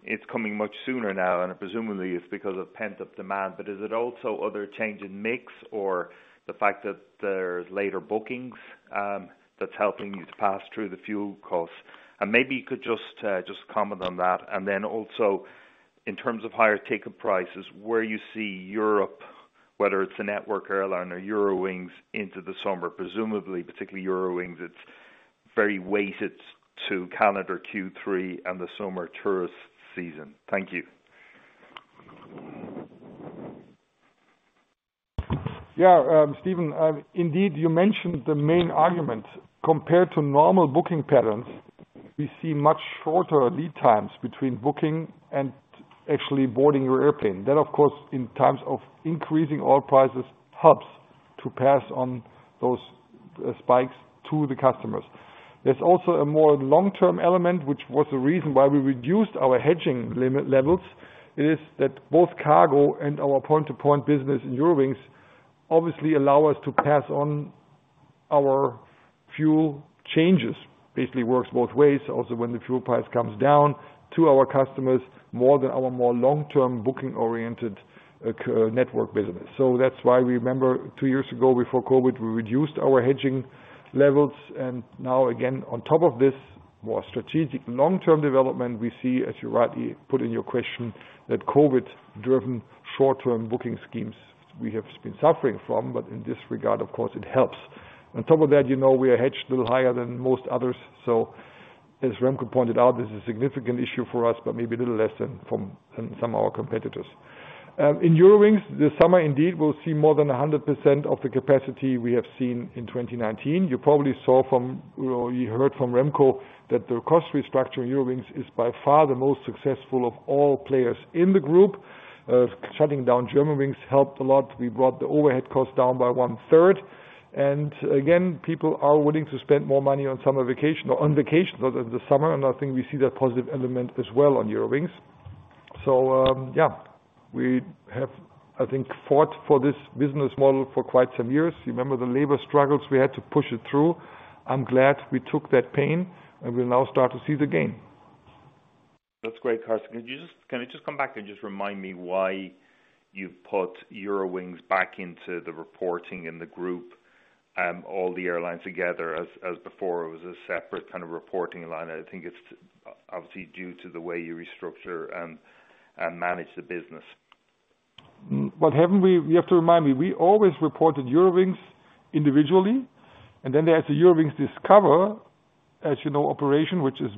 it's coming much sooner now, and presumably it's because of pent-up demand. Is it also other change in mix or the fact that there's later bookings that's helping you to pass through the fuel costs? Maybe you could just comment on that. Then also in terms of higher ticket prices, where you see Europe, whether it's the network airline or Eurowings into the summer, presumably particularly Eurowings, it's very weighted to calendar Q3 and the summer tourist season. Thank you. Yeah, Stephen, indeed, you mentioned the main argument. Compared to normal booking patterns, we see much shorter lead times between booking and actually boarding your airplane. That of course, in times of increasing oil prices, helps to pass on those spikes to the customers. There's also a more long-term element, which was the reason why we reduced our hedging limit levels. It is that both cargo and our point-to-point business in Eurowings obviously allow us to pass on our fuel changes. Basically works both ways, also when the fuel price comes down, to our customers more than our more long-term booking oriented core-network business. That's why we remember two years ago before COVID, we reduced our hedging levels. Now again, on top of this more strategic long-term development, we see, as you rightly put in your question, that COVID-driven short-term booking schemes we have been suffering from. In this regard, of course, it helps. On top of that, you know, we are hedged a little higher than most others. As Remco pointed out, this is a significant issue for us, but maybe a little less than some of our competitors. In Eurowings, this summer indeed we'll see more than 100% of the capacity we have seen in 2019. You probably saw from, or you heard from Remco that the cost restructure in Eurowings is by far the most successful of all players in the group. Shutting down Germanwings helped a lot. We brought the overhead cost down by one-third. Again, people are willing to spend more money on summer vacation or on vacation other than the summer. I think we see that positive element as well on Eurowings. Yeah, we have, I think, fought for this business model for quite some years. You remember the labor struggles, we had to push it through. I'm glad we took that pain, and we now start to see the gain. That's great, Carsten. Could you just come back and just remind me why you've put Eurowings back into the reporting in the group, all the airlines together as before it was a separate kind of reporting line. I think it's obviously due to the way you restructure and manage the business. What haven't we? You have to remind me. We always reported Eurowings individually, and then there's the Discover Airlines, as you know, operation, which is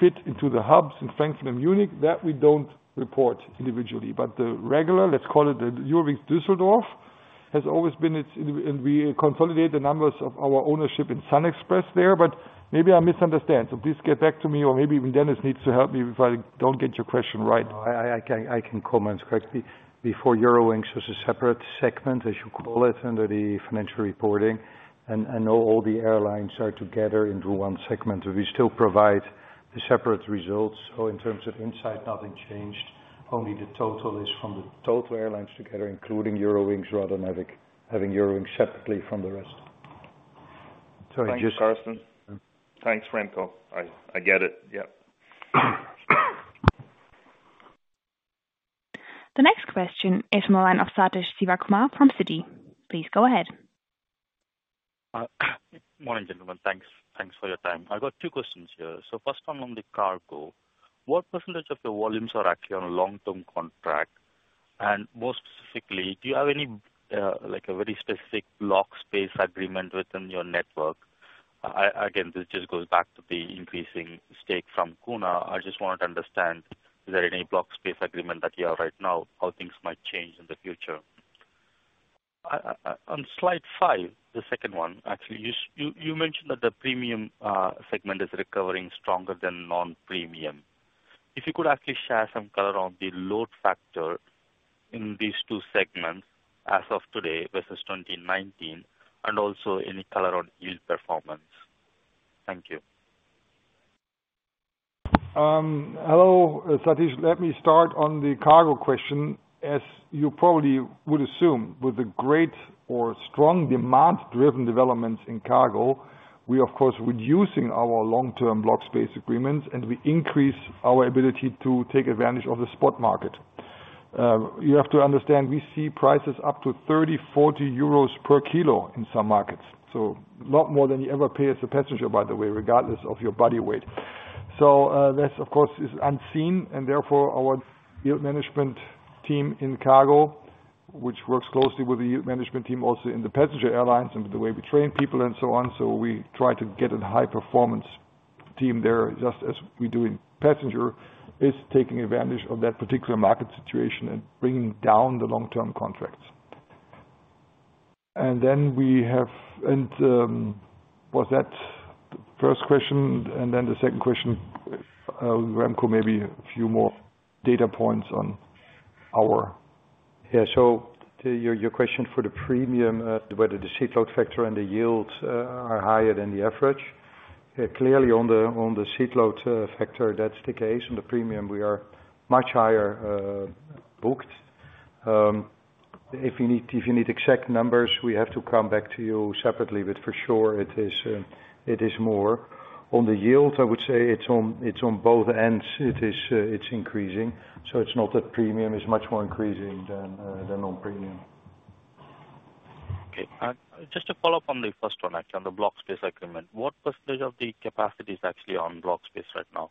fit into the hubs in Frankfurt and Munich, that we don't report individually. The regular, let's call it the Eurowings Düsseldorf, has always been it's in- and we consolidate the numbers of our ownership in SunExpress there. Maybe I misunderstand. Please get back to me, or maybe even Dennis needs to help me if I don't get your question right. No, I can comment, Carsten. Before Eurowings was a separate segment, as you call it, under the financial reporting. Now all the airlines are together into one segment. We still provide the separate results. In terms of insight, nothing changed. Only the total is from the total airlines together, including Eurowings, rather than having Eurowings separately from the rest. Sorry, just- Thanks, Carsten. Thanks, Remco. I get it. Yeah. The next question is from the line of Sathish Sivakumar from Citi, please go ahead. Morning, gentlemen. Thanks. Thanks for your time. I've got two questions here. First one on the cargo. What percentage of the volumes are actually on long-term contract? And more specifically, do you have any, like, a very specific block space agreement within your network? Again, this just goes back to the increasing stake from Kühne. I just want to understand, is there any block space agreement that you have right now, how things might change in the future? On slide five, the second one, actually, you mentioned that the premium segment is recovering stronger than non-premium. If you could actually share some color on the load factor in these two segments as of today versus 2019, and also any color on yield performance. Thank you. Hello, Sathish. Let me start on the cargo question. As you probably would assume, with the great or strong demand-driven developments in cargo, we're of course reducing our long-term block space agreements, and we increase our ability to take advantage of the spot market. You have to understand, we see prices up to 30-40 euros per kilo in some markets, so a lot more than you ever pay as a passenger, by the way, regardless of your body weight. That of course, is unseen, and therefore our yield management team in cargo, which works closely with the management team also in the passenger airlines and the way we train people and so on, so we try to get a high performance team there, just as we do in passenger, is taking advantage of that particular market situation and bringing down the long-term contracts. Was that the first question? The second question, Remco, maybe a few more data points on our- Yeah. To your question for the premium, whether the seat load factor and the yields are higher than the average. Clearly on the seat load factor, that's the case. On the premium, we are much higher booked. If you need exact numbers, we have to come back to you separately, but for sure it is more. On the yield, I would say it's on both ends. It's increasing. It's not that premium is much more increasing than non-premium. Okay. Just to follow up on the first one, actually, on the block space agreement. What percentage of the capacity is actually on block space right now?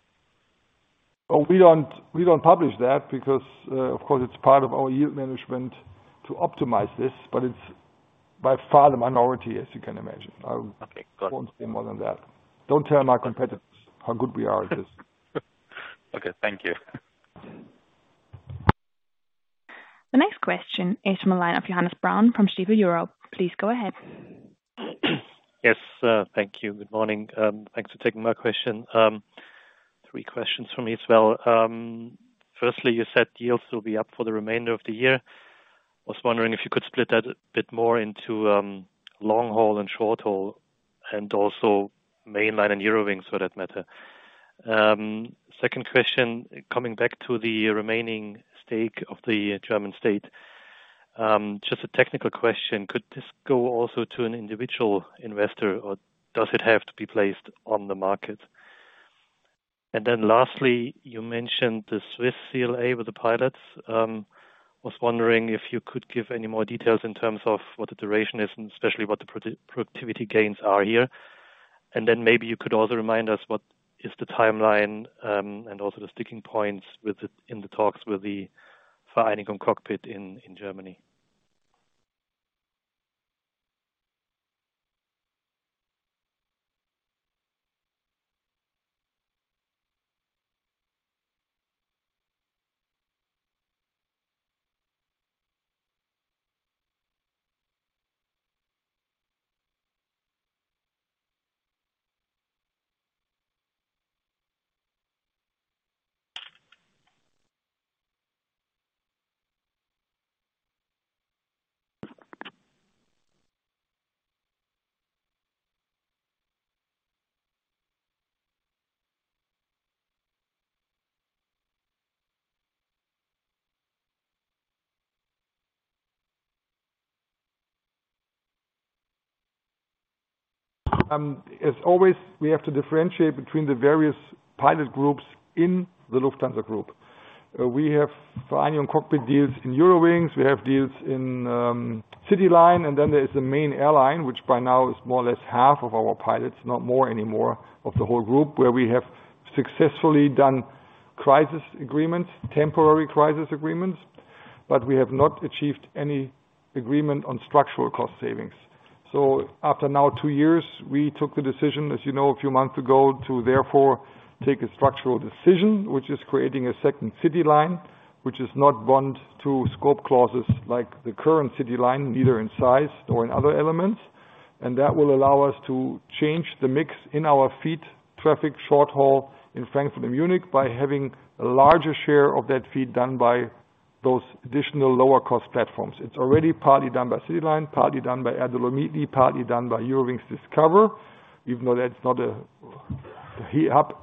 Oh, we don't publish that because, of course, it's part of our yield management to optimize this, but it's by far the minority, as you can imagine. Okay, got it. I won't say more than that. Don't tell my competitors how good we are at this. Okay, thank you. The next question is from the line of Johannes Braun from Stifel Europe, please go ahead. Yes, thank you. Good morning. Thanks for taking my question. Three questions from me as well. Firstly, you said yields will be up for the remainder of the year. I was wondering if you could split that a bit more into, long-haul and short-haul, and also Mainline and Eurowings for that matter. Second question, coming back to the remaining stake of the German state, just a technical question, could this go also to an individual investor or does it have to be placed on the market? Then lastly, you mentioned the Swiss CLA with the pilots. Was wondering if you could give any more details in terms of what the duration is, and especially what the productivity gains are here. Maybe you could also remind us what is the timeline and also the sticking points within the talks with Vereinigung Cockpit in Germany. As always, we have to differentiate between the various pilot groups in the Lufthansa Group. We have Vereinigung Cockpit deals in Eurowings. We have deals in CityLine, and then there is the main airline, which by now is more or less half of our pilots, not more anymore of the whole group, where we have successfully done crisis agreements, temporary crisis agreements, but we have not achieved any agreement on structural cost savings. After now two years, we took the decision, as you know, a few months ago, to therefore take a structural decision, which is creating a second City Line, which is not bound to scope clauses like the current City Line, neither in size nor in other elements. That will allow us to change the mix in our feed traffic short-haul in Frankfurt and Munich by having a larger share of that feed done by those additional lower cost platforms. It's already partly done by CityLine, partly done by Edelweiss Air, partly done by Eurowings Discover, even though that's not a pure hub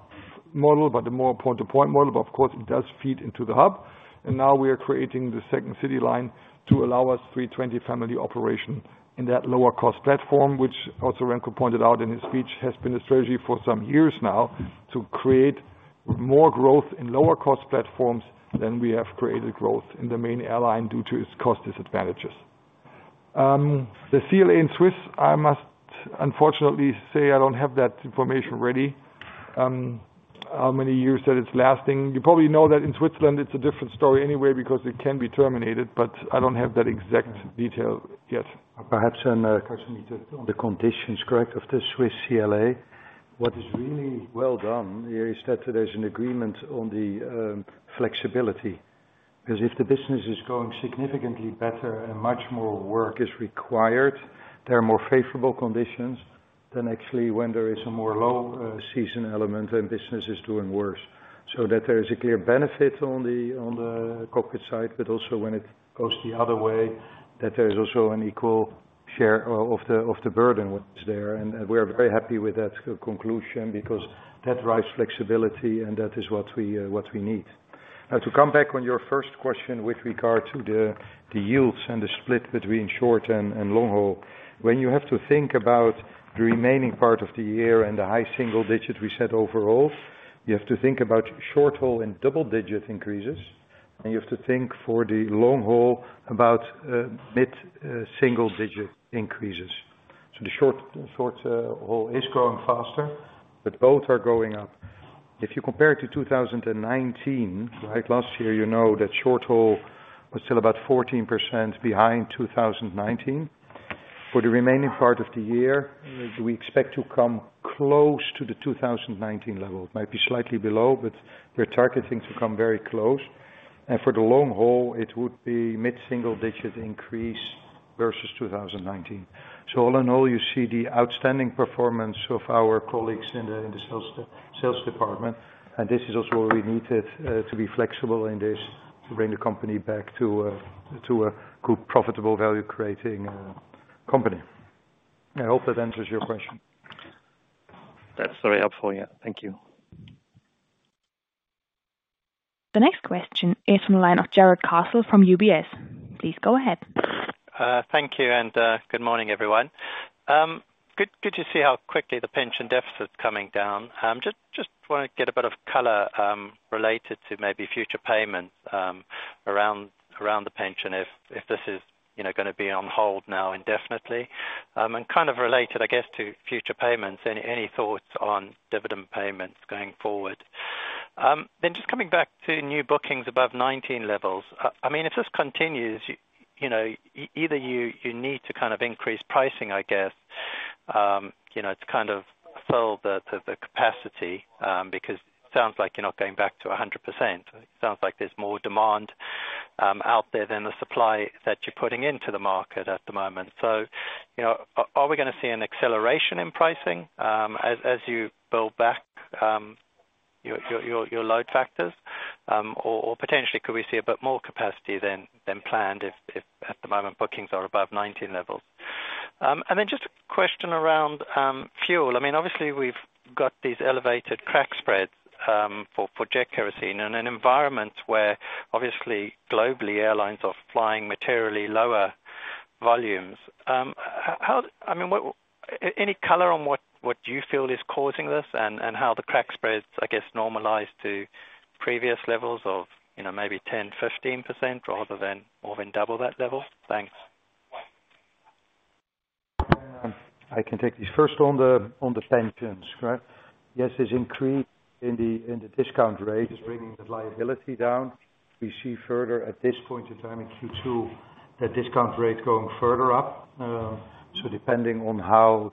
model, but a more point-to-point model, but of course it does feed into the hub. Now we are creating CityLine 2 to allow us A320 family operation in that lower cost platform, which also Remco pointed out in his speech, has been a strategy for some years now to create more growth in lower cost platforms than we have created growth in the main airline due to its cost disadvantages. The CLA in Swiss, I must unfortunately say I don't have that information ready, how many years that it's lasting. You probably know that in Switzerland it's a different story anyway because it can be terminated, but I don't have that exact detail yet. Perhaps then a question on the conditions, correct, of the Swiss CLA. What is really well done here is that there's an agreement on the flexibility. Because if the business is going significantly better and much more work is required, there are more favorable conditions than actually when there is a more low season element and business is doing worse. That there is a clear benefit on the cockpit side, but also when it goes the other way, that there is also an equal share of the burden that is there. We are very happy with that conclusion because that drives flexibility, and that is what we need. Now to come back on your first question with regard to the yields and the split between short and long-haul. When you have to think about the remaining part of the year and the high single digits we said overall, you have to think about short-haul and double-digit increases. You have to think for the long-haul about mid single-digit increases. The short haul is growing faster, but both are growing up. If you compare it to 2019, right? Last year, you know that short-haul was still about 14% behind 2019. For the remaining part of the year, we expect to come close to the 2019 level. It might be slightly below, but we're targeting to come very close. For the long-haul, it would be mid-single-digit increase versus 2019. All in all, you see the outstanding performance of our colleagues in the sales de-sales department. This is also where we need to be flexible in this to bring the company back to a good, profitable value-creating company. I hope that answers your question. That's very helpful, yeah. Thank you. The next question is from the line of Jarrod Castle from UBS, please go ahead. Thank you, and good morning, everyone. Good to see how quickly the pension deficit's coming down. Just want to get a bit of color related to maybe future payments around the pension if this is, you know, gonna be on hold now indefinitely. Kind of related, I guess, to future payments, any thoughts on dividend payments going forward? Just coming back to new bookings above 19 levels. I mean, if this continues, you know, either you need to kind of increase pricing, I guess, you know, to kind of fill the capacity, because sounds like you're not going back to 100%. It sounds like there's more demand out there than the supply that you're putting into the market at the moment. You know, are we gonna see an acceleration in pricing, as you build back your load factors? Or potentially could we see a bit more capacity than planned if at the moment bookings are above 2019 levels? And then just a question around fuel. I mean, obviously we've got these elevated crack spreads for jet kerosene in an environment where obviously globally airlines are flying materially lower volumes. I mean, any color on what you feel is causing this and how the crack spreads, I guess, normalize to previous levels of, you know, maybe 10, 15% rather than more than double that level? Thanks. I can take these. First on the pensions, correct? Yes, there's increase in the discount rate is bringing the liability down. We see further at this point in time in Q2, the discount rate going further up. So depending on how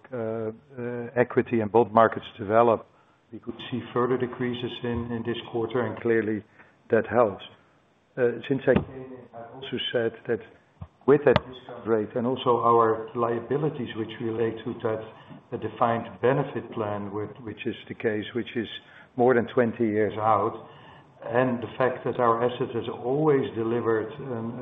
equity and bond markets develop, we could see further decreases in this quarter, and clearly that helps. Since I came in, I also said that with that discount rate and also our liabilities which relate to that, the defined benefit plan with which is the case, which is more than 20 years out, and the fact that our asset has always delivered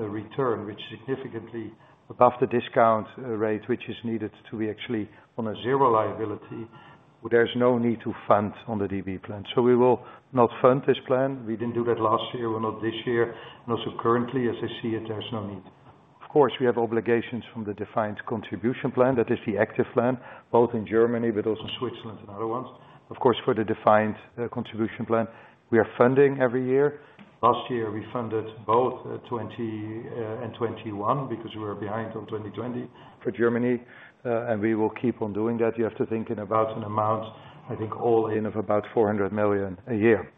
a return which significantly above the discount rate, which is needed to be actually on a zero liability, there's no need to fund on the DB plan. We will not fund this plan. We didn't do that last year or not this year, and also currently as I see it, there's no need. Of course, we have obligations from the defined contribution plan. That is the active plan, both in Germany but also Switzerland and other ones. Of course, for the defined contribution plan, we are funding every year. Last year, we funded both 2020 and 2021 because we were behind on 2020 for Germany, and we will keep on doing that. You have to think in about an amount, I think all in of about 400 million a year.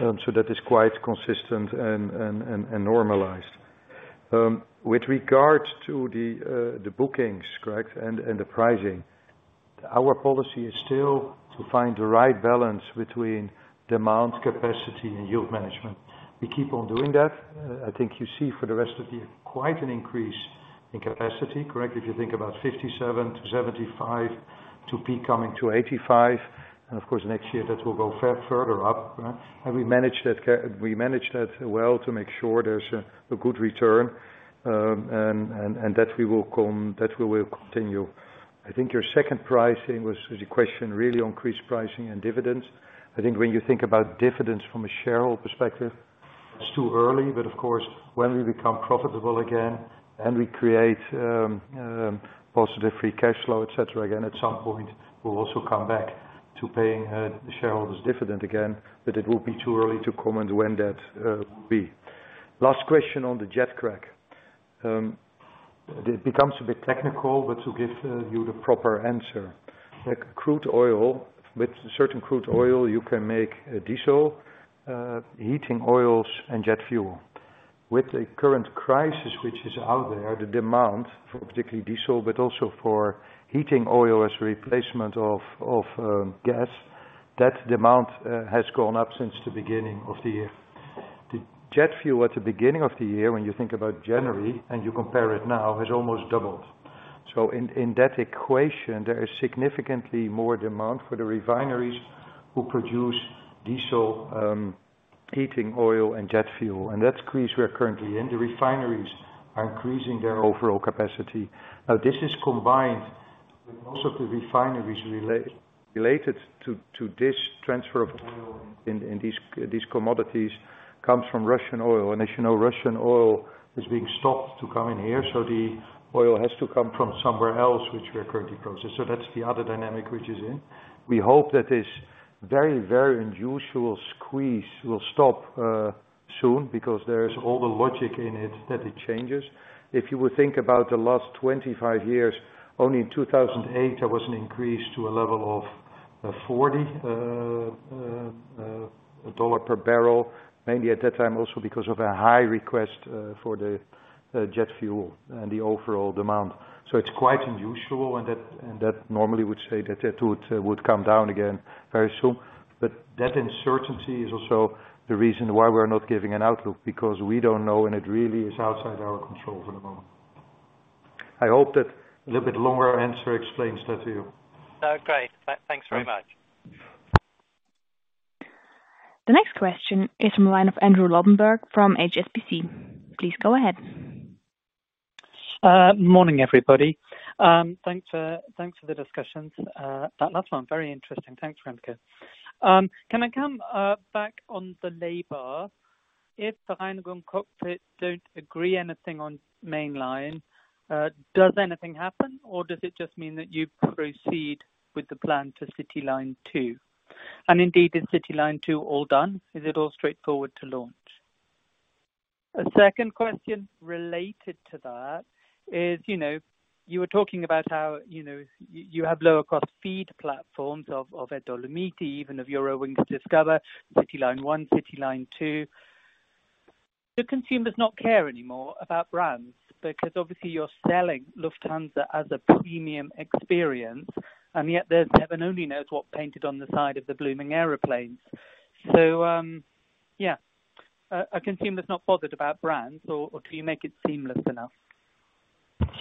So that is quite consistent and normalized. With regards to the bookings, correct? The pricing, our policy is still to find the right balance between demand, capacity and yield management. We keep on doing that. I think you see for the rest of the year, quite an increase in capacity, correct? If you think about 57% to 75% to peak coming to 85%, and of course next year that will go further up. We manage that well to make sure there's a good return, and that we will continue. I think your second pricing was your question really increased pricing and dividends. I think when you think about dividends from a shareholder perspective, it's too early. Of course, when we become profitable again and we create positive free cash flow, et cetera, again, at some point we'll also come back to paying the shareholders dividend again, but it will be too early to comment when that will be. Last question on the jet crack. It becomes a bit technical, but to give you the proper answer. Like crude oil, with certain crude oil, you can make diesel, heating oils and jet fuel. With the current crisis which is out there, the demand for particularly diesel, but also for heating oil as a replacement of gas, that demand has gone up since the beginning of the year. The jet fuel at the beginning of the year, when you think about January and you compare it now, has almost doubled. In that equation, there is significantly more demand for the refineries who produce diesel, heating oil and jet fuel, and that squeeze we are currently in. The refineries are increasing their overall capacity. This is combined with most of the refineries related to this transfer of oil in these commodities comes from Russian oil. As you know, Russian oil is being stopped to come in here, so the oil has to come from somewhere else, which we are currently processing. That's the other dynamic which is in. We hope that this very unusual squeeze will stop soon because there is all the logic in it that it changes. If you would think about the last 25 years, only in 2008 there was an increase to a level of $40 *inaudible* per barrel, mainly at that time also because of a high request for the jet fuel and the overall demand. It's quite unusual and that normally would say that it would come down again very soon. That uncertainty is also the reason why we're not giving an outlook because we don't know, and it really is outside our control for the moment. I hope that a little bit longer answer explains that to you. No, great. Thanks very much. The next question is from the line of Andrew Lobbenberg from HSBC, please go ahead. Morning, everybody. Thanks for the discussions. That last one, very interesting. Thanks, Remco. Can I come back on the labor? If Vereinigung Cockpit don't agree anything on Mainline, does anything happen, or does it just mean that you proceed with the plan to CityLine 2? Indeed, is CityLine 2 all done? Is it all straightforward to launch? A second question related to that is, you know, you were talking about how, you know, you have lower cost fleet platforms of Edelweiss, even of Eurowings Discover, CityLine 1, CityLine 2. Do consumers not care anymore about brands? Because obviously you're selling Lufthansa as a premium experience, and yet there's heaven only knows what painted on the side of the blooming airplanes. Are consumers not bothered about brands or do you make it seamless enough?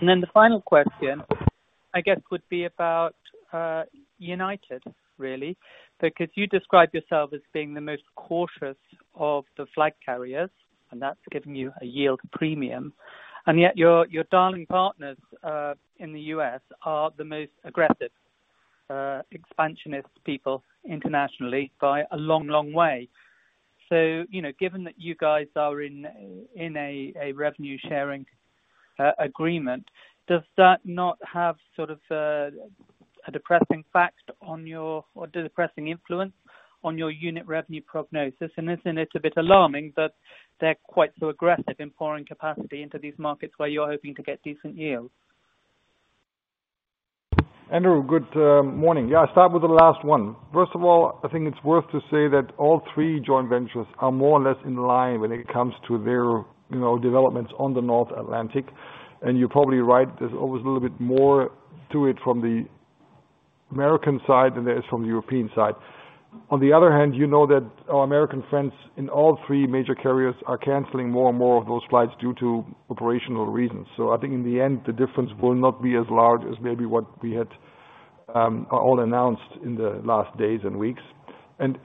The final question I guess would be about United really, because you describe yourself as being the most cautious of the flag carriers, and that's giving you a yield premium, and yet your darling partners in the U.S are the most aggressive expansionist people internationally by a long, long way. You know, given that you guys are in a revenue sharing agreement, does that not have sort of or depressing effect on your depressing influence on your unit revenue prognosis? Isn't it a bit alarming that they're quite so aggressive in pouring capacity into these markets where you're hoping to get decent yields? Andrew, good morning. Yeah, I'll start with the last one. First of all, I think it's worth to say that all three joint ventures are more or less in line when it comes to their, you know, developments on the North Atlantic. You're probably right, there's always a little bit more to it from the American side than there is from the European side. On the other hand, you know that our American friends in all three major carriers are canceling more and more of those flights due to operational reasons. I think in the end, the difference will not be as large as maybe what we had, all announced in the last days and weeks.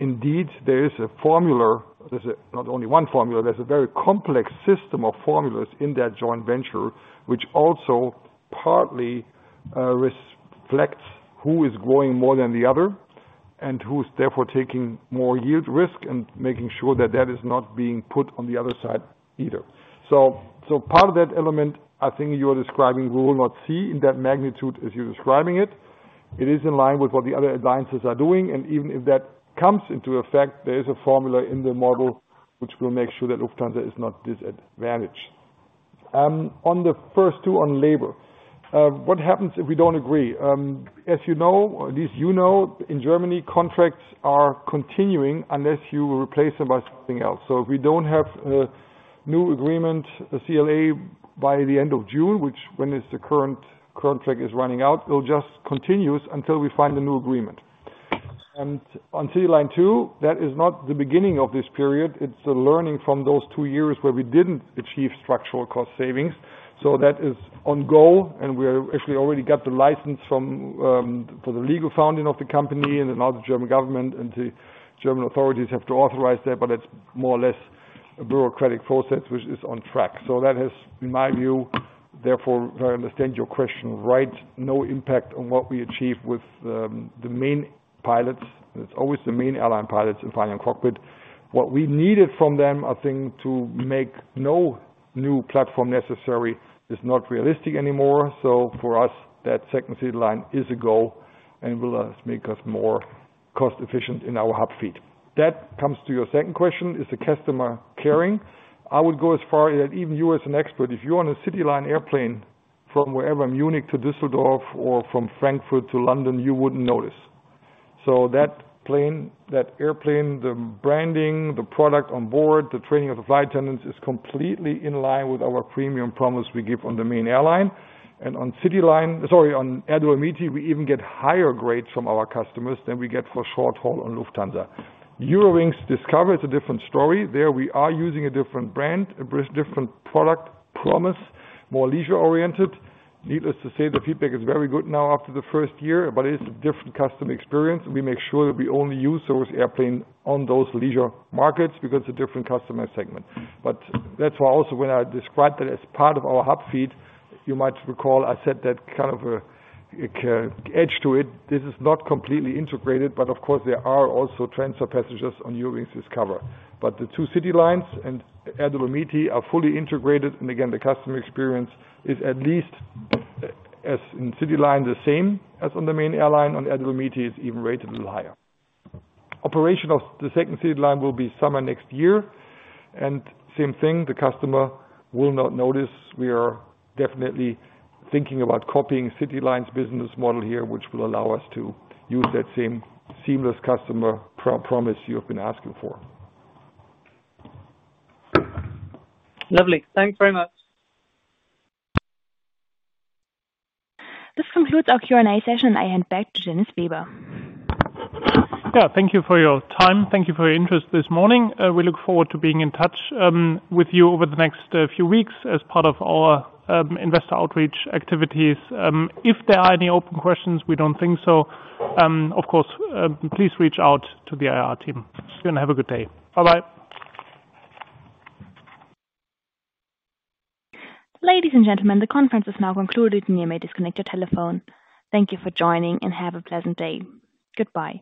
Indeed, there is a formula. There's not only one formula, there's a very complex system of formulas in that joint venture, which also partly reflects who is growing more than the other and who's therefore taking more yield risk and making sure that that is not being put on the other side either. Part of that element I think you're describing we will not see in that magnitude as you're describing it. It is in line with what the other alliances are doing, and even if that comes into effect, there is a formula in the model which will make sure that Lufthansa is not disadvantaged. On the first two on labor, what happens if we don't agree? As you know, at least you know, in Germany, contracts are continuing unless you replace them by something else. If we don't have a new agreement, a CLA by the end of June, which is when the current contract is running out, it'll just continue until we find a new agreement. On CityLine 2, that is not the beginning of this period. It's the learning from those two years where we didn't achieve structural cost savings. That is ongoing and we actually already got the license for the legal founding of the company and now the German government and the German authorities have to authorize that, but it's more or less a bureaucratic process which is on track. That has, in my view, therefore, if I understand your question right, no impact on what we achieve with the Mainline pilots. It's always the Mainline airline pilots in Vereinigung Cockpit. What we needed from them, I think, to make no new platform necessary is not realistic anymore. For us, that second City Line is a go and will make us more cost efficient in our hub fleet. That comes to your second question, does the customer care? I would go as far that even you as an expert, if you're on a City Line airplane from wherever, Munich to Düsseldorf or from Frankfurt to London, you wouldn't notice. That plane, that airplane, the branding, the product on board, the training of the flight attendants is completely in line with our premium promise we give on the main airline. On City Line, sorry, on Edelweiss, we even get higher grades from our customers than we get for short-haul on Lufthansa. Discover Airlines, it's a different story. There we are using a different brand, a different product promise, more leisure-oriented. Needless to say, the feedback is very good now after the first year, but it's a different customer experience. We make sure that we only use those airplanes on those leisure markets because it's a different customer segment. That's why also when I described it as part of our hub fleet, you might recall I said that kind of a edge to it. This is not completely integrated, but of course there are also transfer passengers on Discover Airlines. The two CityLines and Edelweiss are fully integrated and again, the customer experience is at least as in CityLine, the same as on the main airline. On Edelweiss it's even rated a little higher. Operation of the second CityLine will be summer next year. Same thing, the customer will not notice. We are definitely thinking about copying CityLine's business model here, which will allow us to use that same seamless customer promise you have been asking for. Lovely. Thank you very much. This concludes our Q&A session. I hand back to Dennis Weber. Yeah. Thank you for your time. Thank you for your interest this morning. We look forward to being in touch with you over the next few weeks as part of our investor outreach activities. If there are any open questions, we don't think so, of course, please reach out to the IR team. Have a good day now. Bye-bye. Ladies and gentlemen, the conference is now concluded, you may disconnect your telephone. Thank you for joining, and have a pleasant day. Goodbye.